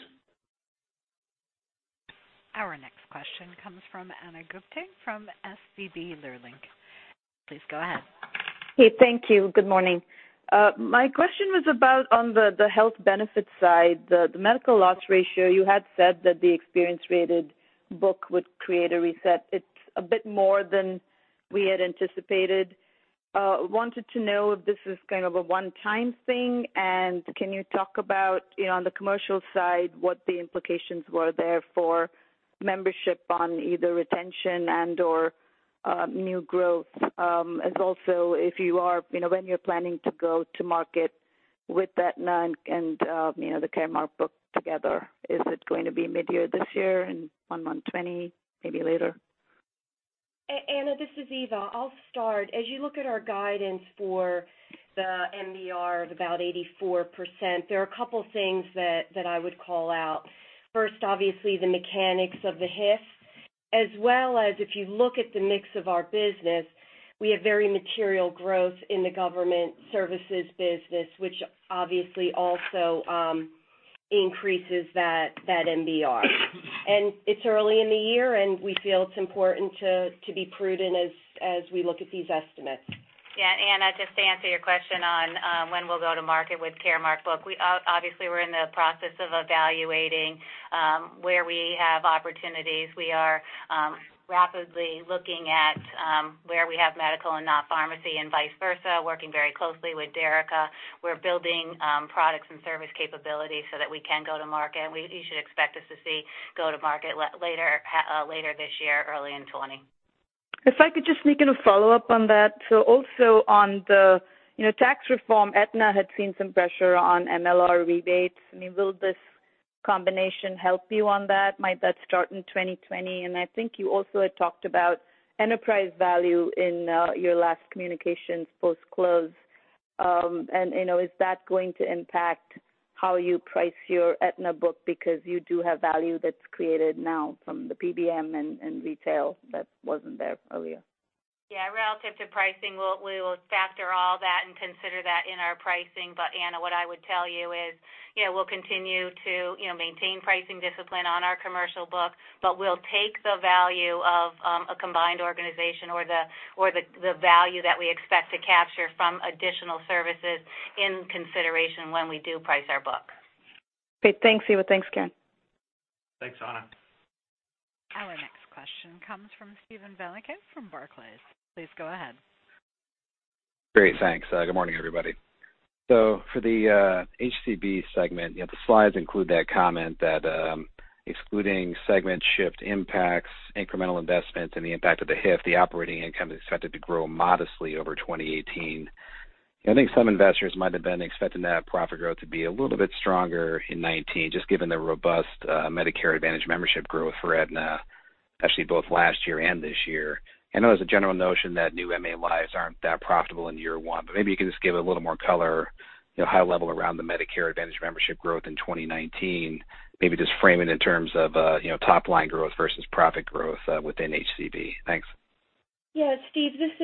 Our next question comes from Ana Gupte from SVB Leerink. Please go ahead. Hey, thank you. Good morning. My question was about on the health benefit side, the medical loss ratio, you had said that the experience-rated book would create a reset. It's a bit more than we had anticipated. Wanted to know if this is kind of a one-time thing, and can you talk about on the commercial side what the implications were there for membership on either retention and/or new growth? As also when you're planning to go to market with Aetna and the Caremark book together, is it going to be mid-year this year, in one month 2020, maybe later? Ana, this is Eva. I'll start. As you look at our guidance for the MBR at about 84%, there are a couple things that I would call out. First, obviously, the mechanics of the HIF, as well as if you look at the mix of our business, we have very material growth in the government services business, which obviously also increases that MBR. It's early in the year, and we feel it's important to be prudent as we look at these estimates. Yeah, Ana, just to answer your question on when we'll go to market with CVS Caremark book, obviously we're in the process of evaluating where we have opportunities. We are rapidly looking at where we have medical and not pharmacy and vice versa, working very closely with Derica. We're building products and service capability so that we can go to market, and you should expect us to go to market later this year, early in 2020. If I could just sneak in a follow-up on that. Also on the tax reform, Aetna had seen some pressure on MLR rebates. Will this combination help you on that? Might that start in 2020? I think you also had talked about enterprise value in your last communications post-close. Is that going to impact how you price your Aetna book? Because you do have value that's created now from the PBM and retail that wasn't there earlier. Yeah. Relative to pricing, we will factor all that and consider that in our pricing. Ana, what I would tell you is we'll continue to maintain pricing discipline on our commercial book, but we'll take the value of a combined organization or the value that we expect to capture from additional services in consideration when we do price our book. Great. Thanks, Eva. Thanks, Karen. Thanks, Ana. Our next question comes from Steven Valiquette from Barclays. Please go ahead. Great. Thanks. Good morning, everybody. For the HCB segment, the slides include that comment that excluding segment shift impacts, incremental investment, and the impact of the HIF, the operating income is expected to grow modestly over 2018. I think some investors might have been expecting that profit growth to be a little bit stronger in 2019, just given the robust Medicare Advantage membership growth for Aetna, actually both last year and this year. I know there's a general notion that new MA lives aren't that profitable in year one, but maybe you can just give a little more color, high level around the Medicare Advantage membership growth in 2019, maybe just frame it in terms of top line growth versus profit growth within HCB. Thanks. Yeah, Steve, this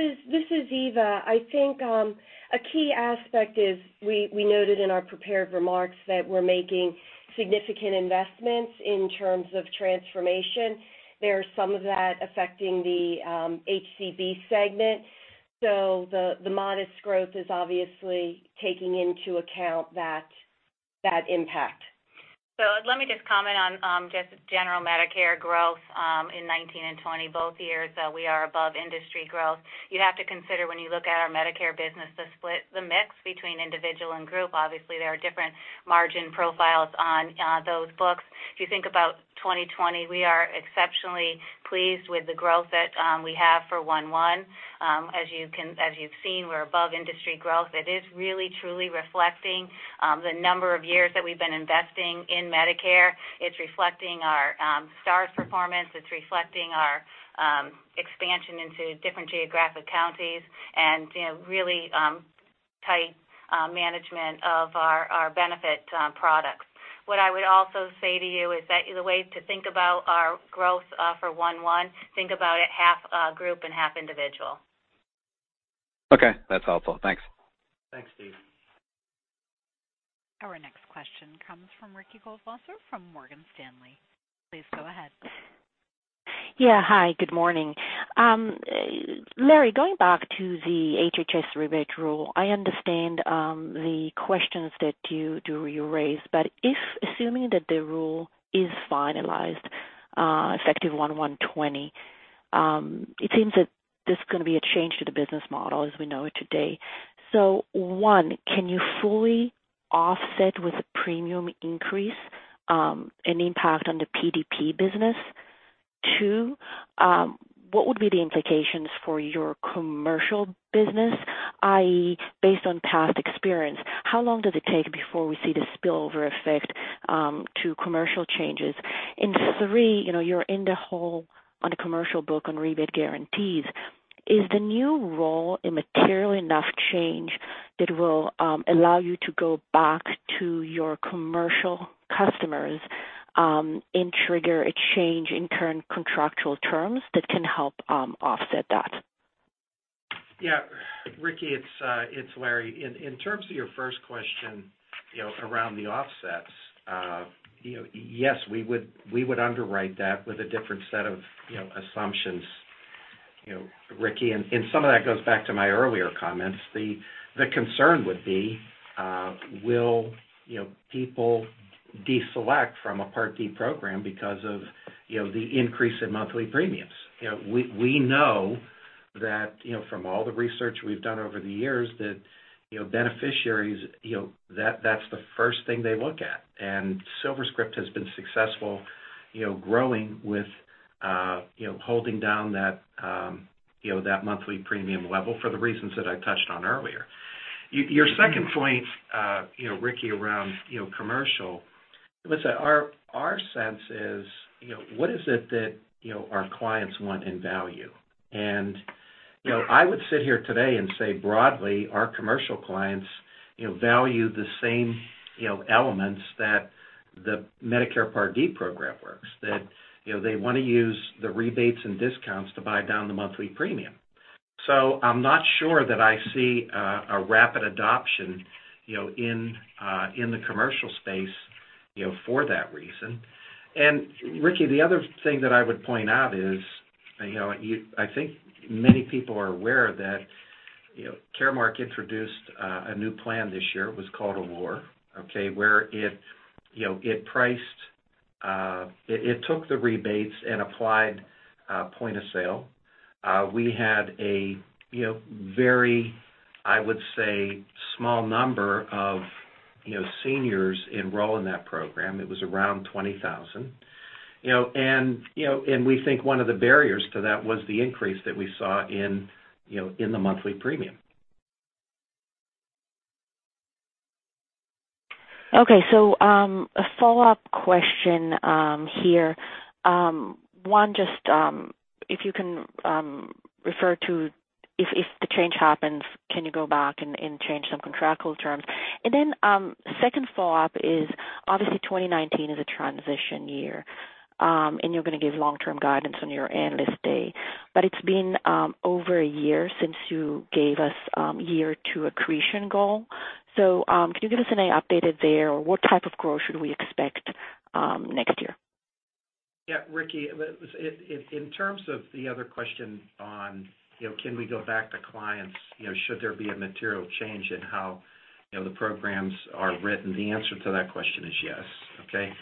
is Eva. I think, a key aspect is we noted in our prepared remarks that we're making significant investments in terms of transformation. There's some of that affecting the HCB segment. The modest growth is obviously taking into account that That impact. Let me just comment on just general Medicare growth, in 2019 and 2020, both years that we are above industry growth. You'd have to consider when you look at our Medicare business, the split, the mix between individual and group. Obviously, there are different margin profiles on those books. If you think about 2020, we are exceptionally pleased with the growth that we have for one-one. As you've seen, we're above industry growth. It is really truly reflecting the number of years that we've been investing in Medicare. It's reflecting our stars performance. It's reflecting our expansion into different geographic counties and really tight management of our benefit products. What I would also say to you is that the way to think about our growth for one-one, think about it half group and half individual. Okay. That's helpful. Thanks. Thanks, Steve. Our next question comes from Ricky Goldwasser from Morgan Stanley. Please go ahead. Hi, good morning. Larry, going back to the HHS rebate rule, I understand the questions that you do raise, but if assuming that the rule is finalized effective 1/1/2020, it seems that there's going to be a change to the business model as we know it today. One, can you fully offset with a premium increase, an impact on the PDP business? Two, what would be the implications for your commercial business, i.e., based on past experience? How long does it take before we see the spillover effect to commercial changes? Three, you're in the hole on a commercial book on rebate guarantees. Is the new rule a material enough change that will allow you to go back to your commercial customers, and trigger a change in current contractual terms that can help offset that? Ricky, it's Larry. In terms of your first question around the offsets, yes, we would underwrite that with a different set of assumptions, Ricky. Some of that goes back to my earlier comments. The concern would be, will people deselect from a Part D program because of the increase in monthly premiums? We know that from all the research we've done over the years that, beneficiaries, that's the first thing they look at. SilverScript has been successful growing with holding down that monthly premium level for the reasons that I touched on earlier. Your second point, Ricky, around commercial, listen, our sense is, what is it that our clients want and value? I would sit here today and say broadly, our commercial clients value the same elements that the Medicare Part D program works, that they want to use the rebates and discounts to buy down the monthly premium. I'm not sure that I see a rapid adoption in the commercial space for that reason. Ricky, the other thing that I would point out is, I think many people are aware that Caremark introduced a new plan this year. It was called Award. Okay? Where it took the rebates and applied point of sale. We had a very small number of seniors enroll in that program. It was around 20,000. We think one of the barriers to that was the increase that we saw in the monthly premium. A follow-up question here. One, just if you can refer to if the change happens, can you go back and change some contractual terms? Second follow-up is, obviously, 2019 is a transition year, and you're going to give long-term guidance on your analyst day. It's been over a year since you gave us year two accretion goal. Can you give us any updated there, or what type of growth should we expect next year? Yeah. Ricky, in terms of the other question on can we go back to clients should there be a material change in how the programs are written, the answer to that question is yes, okay?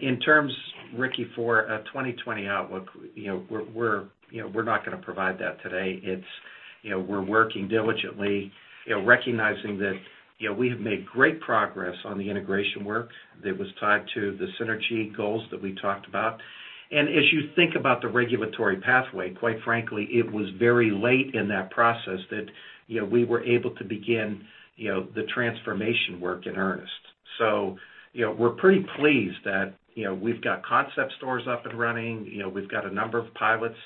In terms, Ricky, for a 2020 outlook, we're not going to provide that today. We're working diligently, recognizing that we have made great progress on the integration work that was tied to the synergy goals that we talked about. As you think about the regulatory pathway, quite frankly, it was very late in that process that we were able to begin the transformation work in earnest. We're pretty pleased that we've got concept stores up and running. We've got a number of pilots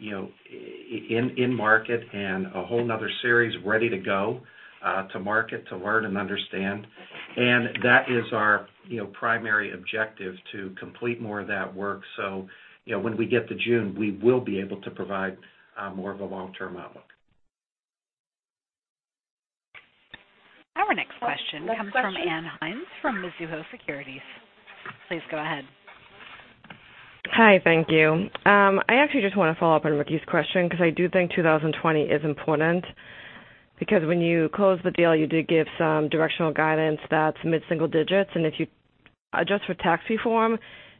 in market and a whole another series ready to go to market to learn and understand. That is our primary objective to complete more of that work. When we get to June, we will be able to provide more of a long-term outlook. Our next question comes from Ann Hynes from Mizuho Securities. Please go ahead. Hi, thank you. I actually just want to follow up on Ricky Goldwasser's question, because I do think 2020 is important, because when you closed the deal, you did give some directional guidance that's mid-single digits. If you adjust for tax reform,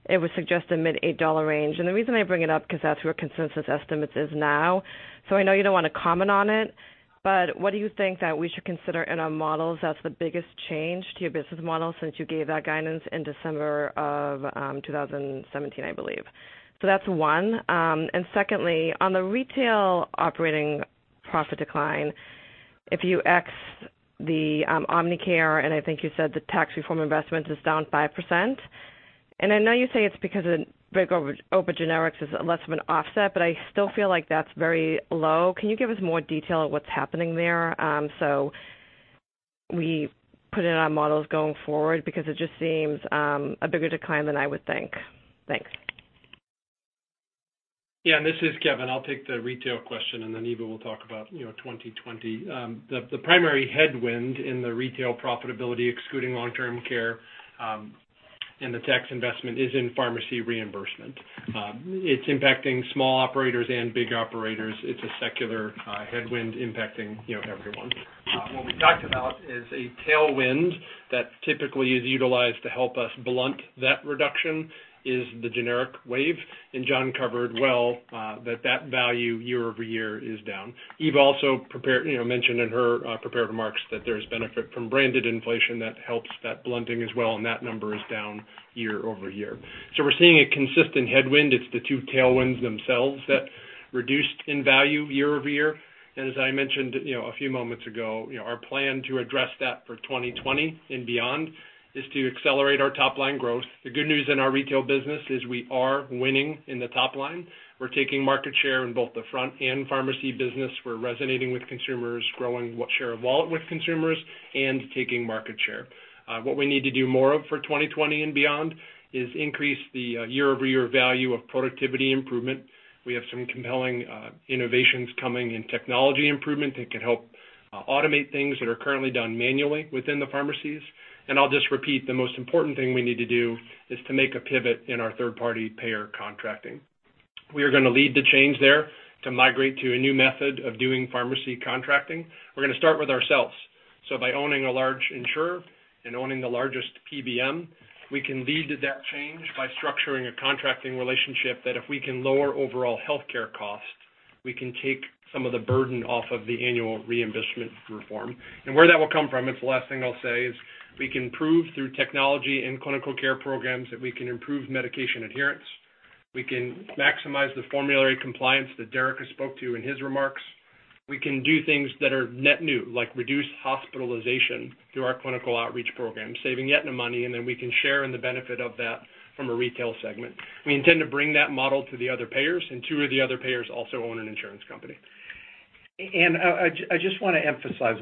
it would suggest a mid-$8 range. The reason I bring it up, because that's where consensus estimates is now. I know you don't want to comment on it, but what do you think that we should consider in our models as the biggest change to your business model since you gave that guidance in December of 2017, I believe? That's one. Secondly, on the retail operating profit decline, if you X the Omnicare, I think you said the tax reform investment is down 5%. I know you say it's because of big open generics is less of an offset, but I still feel like that's very low. Can you give us more detail on what's happening there so we put it in our models going forward, because it just seems a bigger decline than I would think. Thanks. Yeah, this is Kevin Hourican. I'll take the retail question, then Eva Boratto will talk about 2020. The primary headwind in the retail profitability, excluding long-term care, and the tax investment is in pharmacy reimbursement. It's impacting small operators and big operators. It's a secular headwind impacting everyone. What we talked about is a tailwind that typically is utilized to help us blunt that reduction is the generic wave, Jonathan Roberts covered well that value year-over-year is down. Eva Boratto also mentioned in her prepared remarks that there's benefit from branded inflation that helps that blunting as well, that number is down year-over-year. We're seeing a consistent headwind. It's the two tailwinds themselves that reduced in value year-over-year. As I mentioned a few moments ago, our plan to address that for 2020 and beyond is to accelerate our top-line growth. The good news in our retail business is we are winning in the top line. We're taking market share in both the front and pharmacy business. We're resonating with consumers, growing share of wallet with consumers, taking market share. What we need to do more of for 2020 and beyond is increase the year-over-year value of productivity improvement. We have some compelling innovations coming in technology improvement that could help automate things that are currently done manually within the pharmacies. I'll just repeat, the most important thing we need to do is to make a pivot in our third-party payer contracting. We are going to lead the change there to migrate to a new method of doing pharmacy contracting. We're going to start with ourselves. By owning a large insurer and owning the largest PBM, we can lead that change by structuring a contracting relationship that if we can lower overall healthcare costs, we can take some of the burden off of the annual reimbursement reform. Where that will come from, it's the last thing I'll say, is we can prove through technology and clinical care programs that we can improve medication adherence. We can maximize the formulary compliance that Derica spoke to in his remarks. We can do things that are net new, like reduce hospitalization through our clinical outreach program, saving Aetna money, then we can share in the benefit of that from a retail segment. Two of the other payers also own an insurance company. I just want to emphasize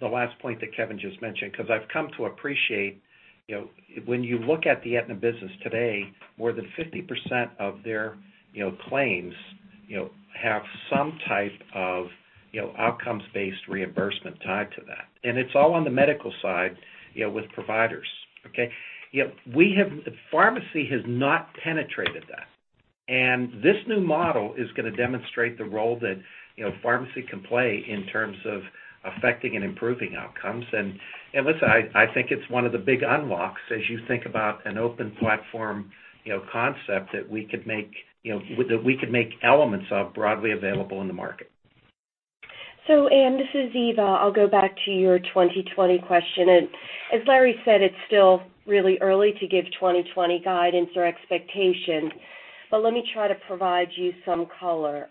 the last point that Kevin just mentioned, because I've come to appreciate, when you look at the Aetna business today, more than 50% of their claims have some type of outcomes-based reimbursement tied to that, and it's all on the medical side with providers. Okay? Pharmacy has not penetrated that. This new model is going to demonstrate the role that pharmacy can play in terms of affecting and improving outcomes. Listen, I think it's one of the big unlocks as you think about an open platform concept that we could make elements of broadly available in the market. Ann, this is Eva. I'll go back to your 2020 question. As Larry said, it's still really early to give 2020 guidance or expectation, let me try to provide you some color.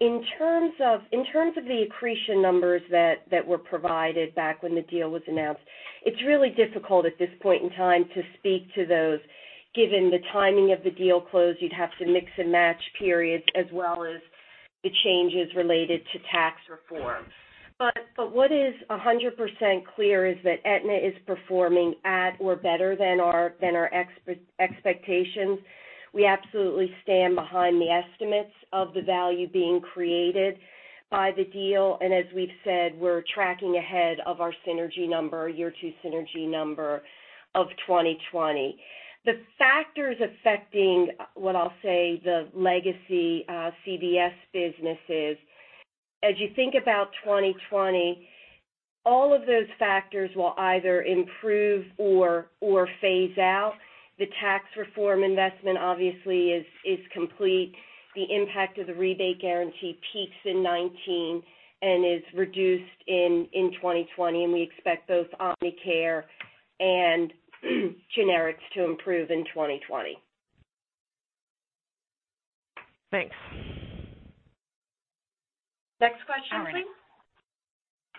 In terms of the accretion numbers that were provided back when the deal was announced, it's really difficult at this point in time to speak to those given the timing of the deal close. You'd have to mix and match periods as well as the changes related to tax reform. What is 100% clear is that Aetna is performing at or better than our expectations. We absolutely stand behind the estimates of the value being created by the deal, as we've said, we're tracking ahead of our synergy number, year two synergy number of 2020. The factors affecting what I'll say the legacy CVS business is, as you think about 2020, all of those factors will either improve or phase out. The tax reform investment, obviously, is complete. The impact of the rebate guarantee peaks in 2019, is reduced in 2020. We expect both Omnicare and generics to improve in 2020. Thanks. Next question please.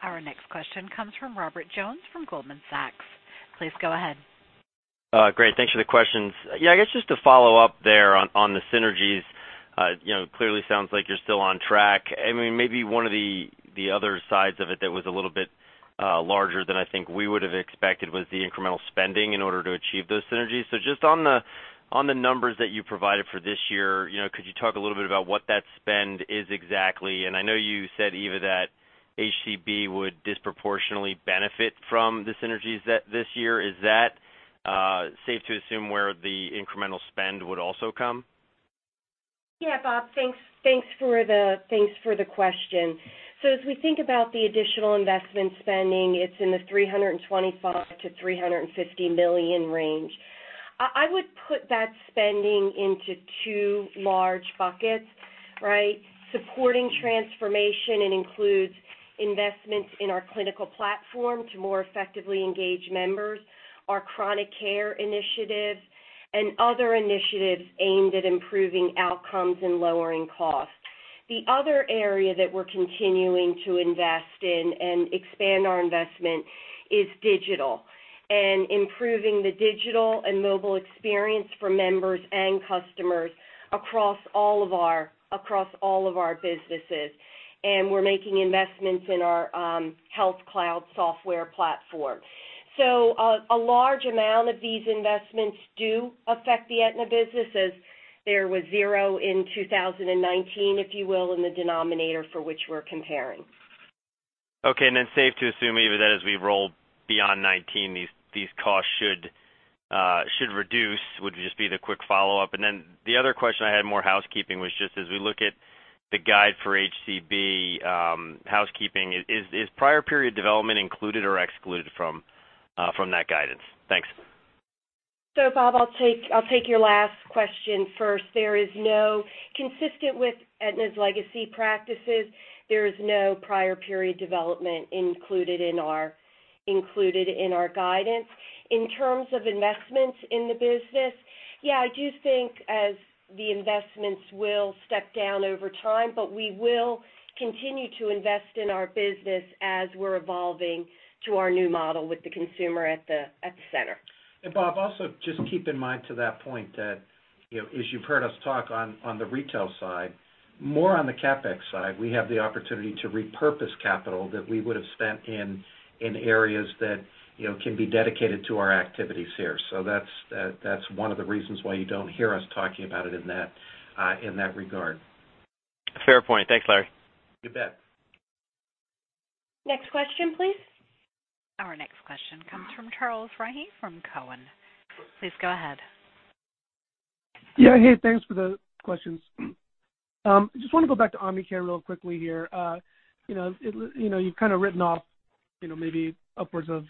Our next question comes from Robert Jones from Goldman Sachs. Please go ahead. Great, thanks for the questions. Yeah, I guess just to follow up there on the synergies. Clearly sounds like you're still on track. Maybe one of the other sides of it that was a little bit larger than I think we would have expected was the incremental spending in order to achieve those synergies. Just on the numbers that you provided for this year, could you talk a little bit about what that spend is exactly? And I know you said, Eva, that HCB would disproportionately benefit from the synergies this year. Is that safe to assume where the incremental spend would also come? Yeah, Rob. Thanks for the question. As we think about the additional investment spending, it's in the $325 million-$350 million range. I would put that spending into two large buckets, right? Supporting transformation, it includes investments in our clinical platform to more effectively engage members, our chronic care initiatives, and other initiatives aimed at improving outcomes and lowering costs. The other area that we're continuing to invest in and expand our investment is digital, and improving the digital and mobile experience for members and customers across all of our businesses. We're making investments in our health cloud software platform. A large amount of these investments do affect the Aetna business, as there was zero in 2019, if you will, in the denominator for which we're comparing. Then safe to assume, Eva, that as we roll beyond 2019, these costs should reduce, would just be the quick follow-up. Then the other question I had, more housekeeping, was just as we look at the guide for HCB, housekeeping, is prior period development included or excluded from that guidance? Thanks. Bob, I'll take your last question first. Consistent with Aetna's legacy practices, there is no prior period development included in our guidance. In terms of investments in the business, yeah, I do think as the investments will step down over time, but we will continue to invest in our business as we're evolving to our new model with the consumer at the center. Bob, also just keep in mind to that point that, as you've heard us talk on the retail side, more on the CapEx side, we have the opportunity to repurpose capital that we would've spent in areas that can be dedicated to our activities here. That's one of the reasons why you don't hear us talking about it in that regard. Fair point. Thanks, Larry. You bet. Next question, please. Our next question comes from Charles Rhyee from Cowen. Please go ahead. Hey, thanks for the questions. I just want to go back to Omnicare real quickly here. You've kind of written off maybe upwards of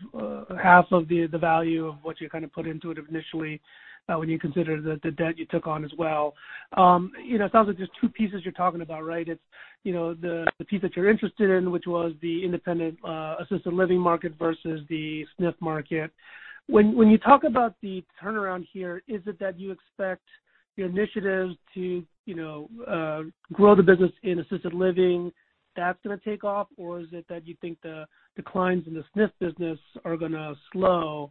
half of the value of what you kind of put into it initially, when you consider the debt you took on as well. It sounds like there's two pieces you're talking about, right? It's the piece that you're interested in, which was the independent assisted living market versus the SNF market. When you talk about the turnaround here, is it that you expect the initiatives to grow the business in assisted living, that's going to take off, or is it that you think the declines in the SNF business are going to slow?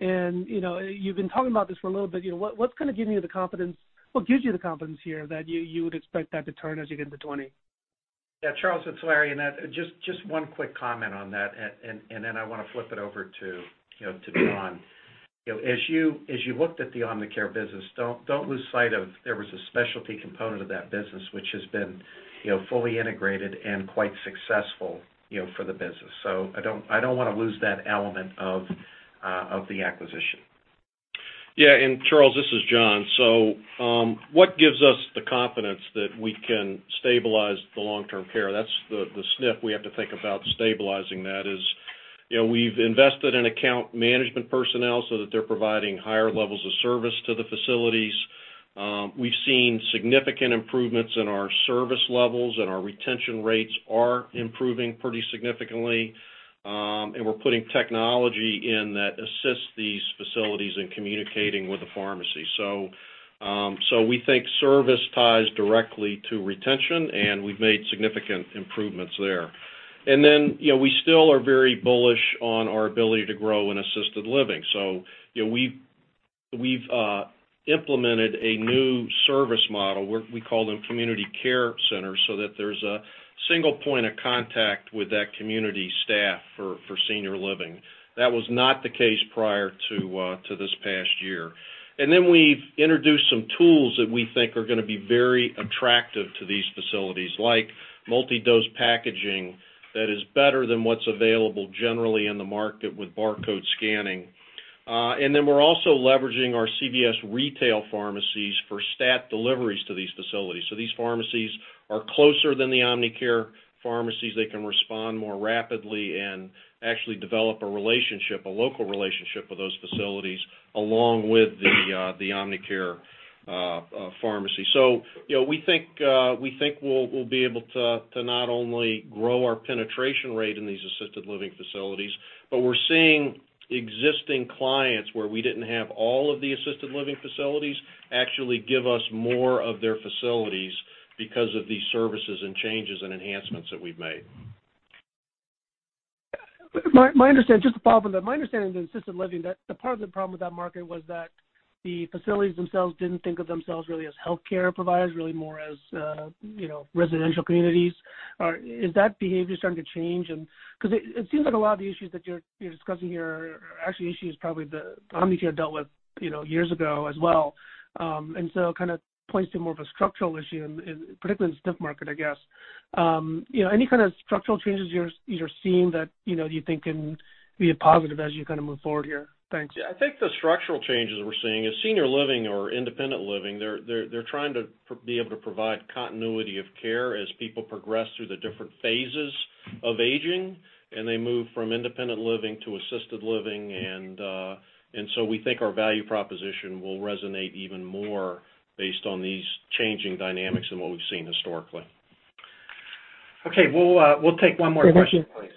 You've been talking about this for a little bit. What gives you the confidence here that you would expect that to turn as you get into 2020? Yeah, Charles, it's Larry. Just one quick comment on that, then I want to flip it over to John. As you looked at the Omnicare business, don't lose sight of there was a specialty component of that business, which has been fully integrated and quite successful for the business. I don't want to lose that element of the acquisition. Yeah. Charles, this is John. What gives us the confidence that we can stabilize the long-term care? That's the SNF we have to think about stabilizing that is, we've invested in account management personnel so that they're providing higher levels of service to the facilities. We've seen significant improvements in our service levels, and our retention rates are improving pretty significantly. We're putting technology in that assists these facilities in communicating with the pharmacy. We think service ties directly to retention, and we've made significant improvements there. Then, we still are very bullish on our ability to grow in assisted living. We've implemented a new service model, we call them community care centers, so that there's a single point of contact with that community staff for senior living. That was not the case prior to this past year. Then we've introduced some tools that we think are going to be very attractive to these facilities, like multi-dose packaging that is better than what's available generally in the market with barcode scanning. Then we're also leveraging our CVS Pharmacy retail pharmacies for stat deliveries to these facilities. These pharmacies are closer than the Omnicare pharmacies. They can respond more rapidly and actually develop a local relationship with those facilities along with the Omnicare pharmacy. We think we'll be able to not only grow our penetration rate in these assisted living facilities, but we're seeing existing clients, where we didn't have all of the assisted living facilities, actually give us more of their facilities because of these services and changes and enhancements that we've made. Just to follow up on that. My understanding of the assisted living, that part of the problem with that market was that the facilities themselves didn't think of themselves really as healthcare providers, really more as residential communities. Is that behavior starting to change? It seems like a lot of the issues that you're discussing here are actually issues probably that Omnicare dealt with years ago as well. It kind of points to more of a structural issue, particularly in the SNF market, I guess. Any kind of structural changes you're seeing that you think can be a positive as you move forward here? Thanks. I think the structural changes we're seeing is senior living or independent living. They're trying to be able to provide continuity of care as people progress through the different phases of aging, and they move from independent living to assisted living. We think our value proposition will resonate even more based on these changing dynamics than what we've seen historically. Okay, we'll take one more question, please.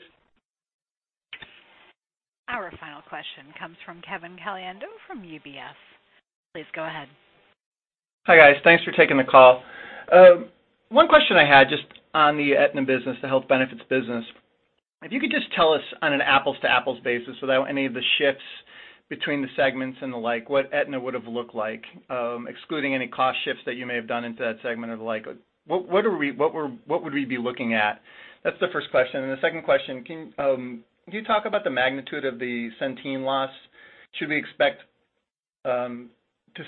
Our final question comes from Kevin Caliendo from UBS. Please go ahead. Hi, guys. Thanks for taking the call. One question I had just on the Aetna business, the health benefits business, if you could just tell us on an apples-to-apples basis, without any of the shifts between the segments and the like, what Aetna would have looked like, excluding any cost shifts that you may have done into that segment or the like. What would we be looking at? That's the first question. The second question, can you talk about the magnitude of the Centene loss? Should we expect to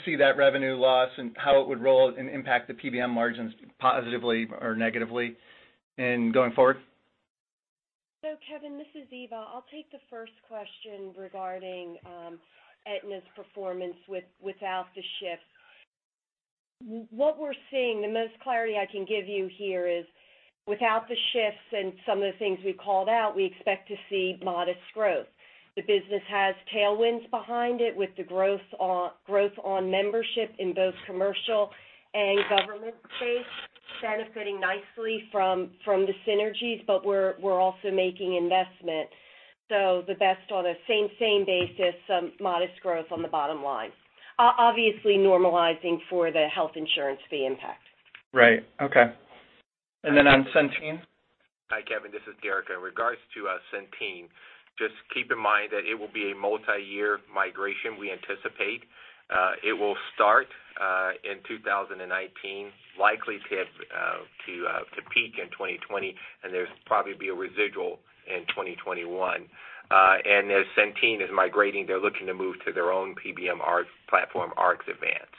see that revenue loss and how it would roll and impact the PBM margins positively or negatively in going forward? Kevin, this is Eva. I'll take the first question regarding Aetna's performance without the shifts. What we're seeing, the most clarity I can give you here is, without the shifts and some of the things we've called out, we expect to see modest growth. The business has tailwinds behind it with the growth on membership in both commercial and government space, benefiting nicely from the synergies, but we're also making investments. The best on a same basis, some modest growth on the bottom line. Obviously normalizing for the health insurance fee impact. Okay. Then on Centene? Hi, Kevin. This is Derica. In regards to Centene, just keep in mind that it will be a multi-year migration, we anticipate. It will start in 2019, likely to peak in 2020, and there'll probably be a residual in 2021. As Centene is migrating, they're looking to move to their own PBM platform, RxAdvance.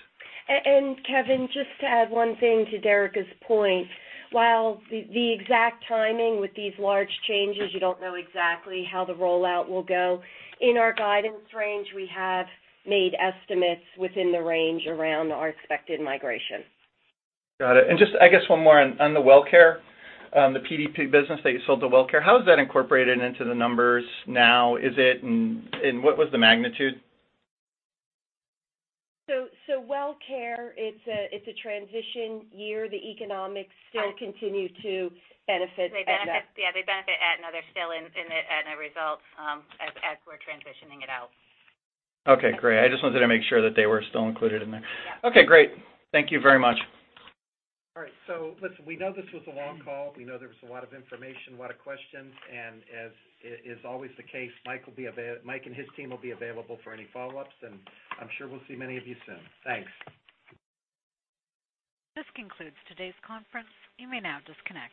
Kevin, just to add one thing to Derica's point. While the exact timing with these large changes, you don't know exactly how the rollout will go. In our guidance range, we have made estimates within the range around our expected migration. Got it. Just, I guess one more on the WellCare, the PDP business that you sold to WellCare. How is that incorporated into the numbers now? What was the magnitude? WellCare, it's a transition year. The economics still continue to benefit Aetna. They benefit Aetna. They're still in the Aetna results as we're transitioning it out. Okay, great. I just wanted to make sure that they were still included in there. Yeah. Okay, great. Thank you very much. Listen, we know this was a long call. We know there was a lot of information, a lot of questions, as is always the case, Mike and his team will be available for any follow-ups, I'm sure we'll see many of you soon. Thanks. This concludes today's conference. You may now disconnect.